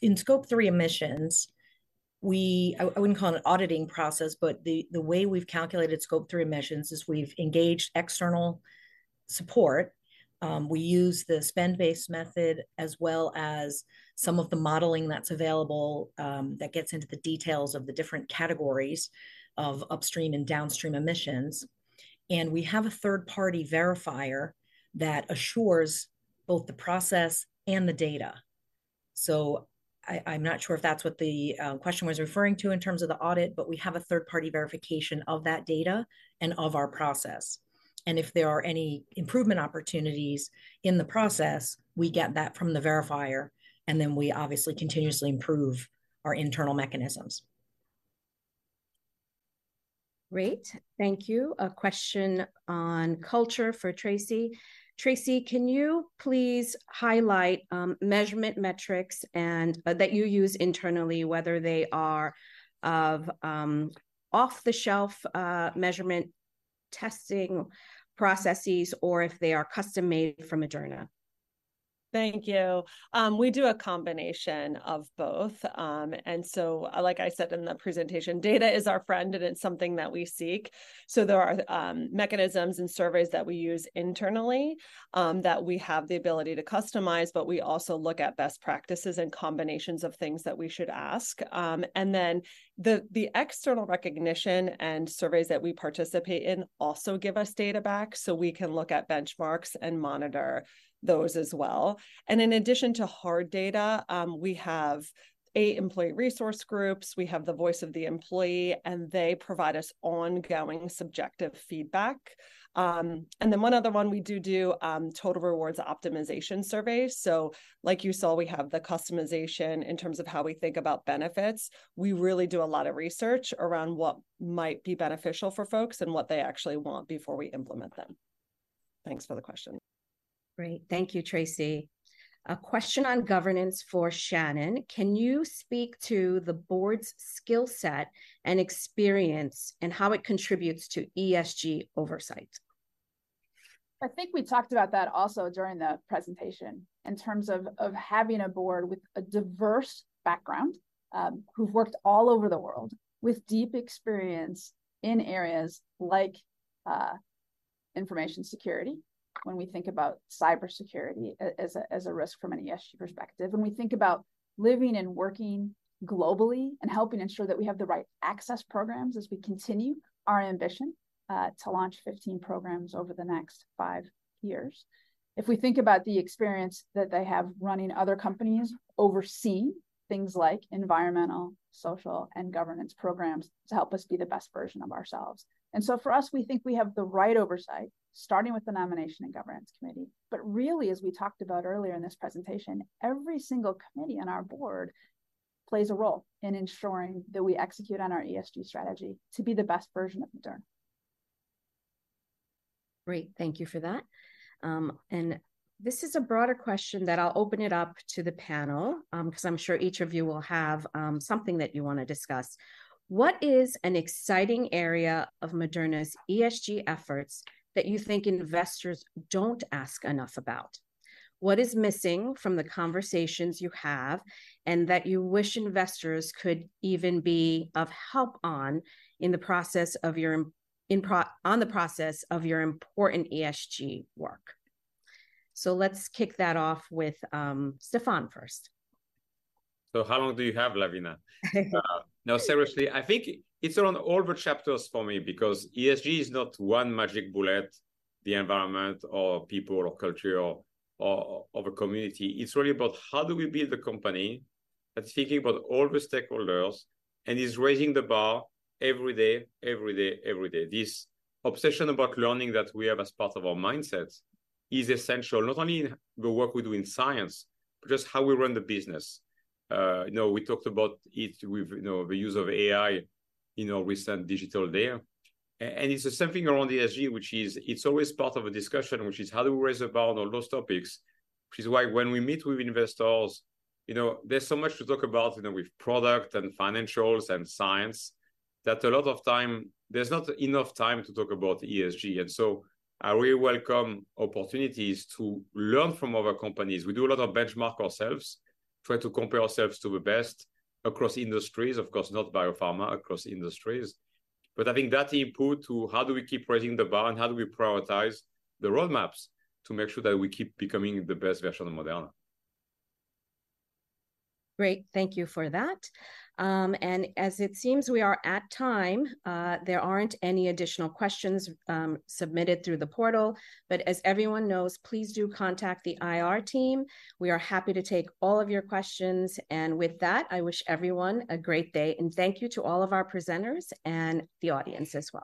in Scope 3 emissions, we... I, I wouldn't call it an auditing process, but the, the way we've calculated Scope 3 emissions is we've engaged external support. We use the spend-based method, as well as some of the modeling that's available, that gets into the details of the different categories of upstream and downstream emissions. And we have a third-party verifier that assures both the process and the data. So I, I'm not sure if that's what the question was referring to in terms of the audit, but we have a third-party verification of that data and of our process. And if there are any improvement opportunities in the process, we get that from the verifier, and then we obviously continuously improve our internal mechanisms. Great, thank you. A question on culture for Tracey. "Tracey, can you please highlight, measurement metrics and, that you use internally, whether they are of, off-the-shelf, measurement testing processes or if they are custom-made for Moderna? Thank you. We do a combination of both. And so, like I said in the presentation, data is our friend, and it's something that we seek. So there are mechanisms and surveys that we use internally that we have the ability to customize, but we also look at best practices and combinations of things that we should ask. And then the, the external recognition and surveys that we participate in also give us data back, so we can look at benchmarks and monitor those as well. And in addition to hard data, we have eight employee resource groups. We have the voice of the employee, and they provide us ongoing subjective feedback. And then one other one, we do do total rewards optimization surveys. So like you saw, we have the customization in terms of how we think about benefits. We really do a lot of research around what might be beneficial for folks and what they actually want before we implement them. Thanks for the question. Great. Thank you, Tracey. A question on governance for Shannon: "Can you speak to the board's skill set and experience and how it contributes to ESG oversight? I think we talked about that also during the presentation in terms of having a board with a diverse background, who've worked all over the world, with deep experience in areas like information security, when we think about cybersecurity as a risk from an ESG perspective. When we think about living and working globally and helping ensure that we have the right access programs as we continue our ambition to launch 15 programs over the next five years. If we think about the experience that they have running other companies, overseeing things like environmental, social, and governance programs to help us be the best version of ourselves. And so for us, we think we have the right oversight, starting with the Nomination and Governance Committee. But really, as we talked about earlier in this presentation, every single committee on our board plays a role in ensuring that we execute on our ESG strategy to be the best version of Moderna. Great, thank you for that. And this is a broader question that I'll open it up to the panel, 'cause I'm sure each of you will have something that you wanna discuss: What is an exciting area of Moderna's ESG efforts that you think investors don't ask enough about? What is missing from the conversations you have and that you wish investors could even be of help on in the process of your important ESG work? So let's kick that off with Stéphane first. So how long do you have, Lavina? No, seriously, I think it's around all the chapters for me because ESG is not one magic bullet, the environment or people or culture or, or of a community. It's really about, how do we build a company that's thinking about all the stakeholders and is raising the bar every day, every day, every day? This obsession about learning that we have as part of our mindsets is essential, not only in the work we do in science but just how we run the business. You know, we talked about it with, you know, the use of AI in our recent Digital Day. And it's the same thing around ESG, which is it's always part of a discussion, which is, how do we raise the bar on all those topics? Which is why, when we meet with investors, you know, there's so much to talk about, you know, with product and financials and science, that a lot of time, there's not enough time to talk about ESG. So I really welcome opportunities to learn from other companies. We do a lot of benchmark ourselves, try to compare ourselves to the best across industries, of course, not biopharma, across industries. But I think that input to how do we keep raising the bar and how do we prioritize the roadmaps to make sure that we keep becoming the best version of Moderna? Great, thank you for that. As it seems, we are at time. There aren't any additional questions, submitted through the portal, but as everyone knows, please do contact the IR team. We are happy to take all of your questions, and with that, I wish everyone a great day, and thank you to all of our presenters and the audience as well.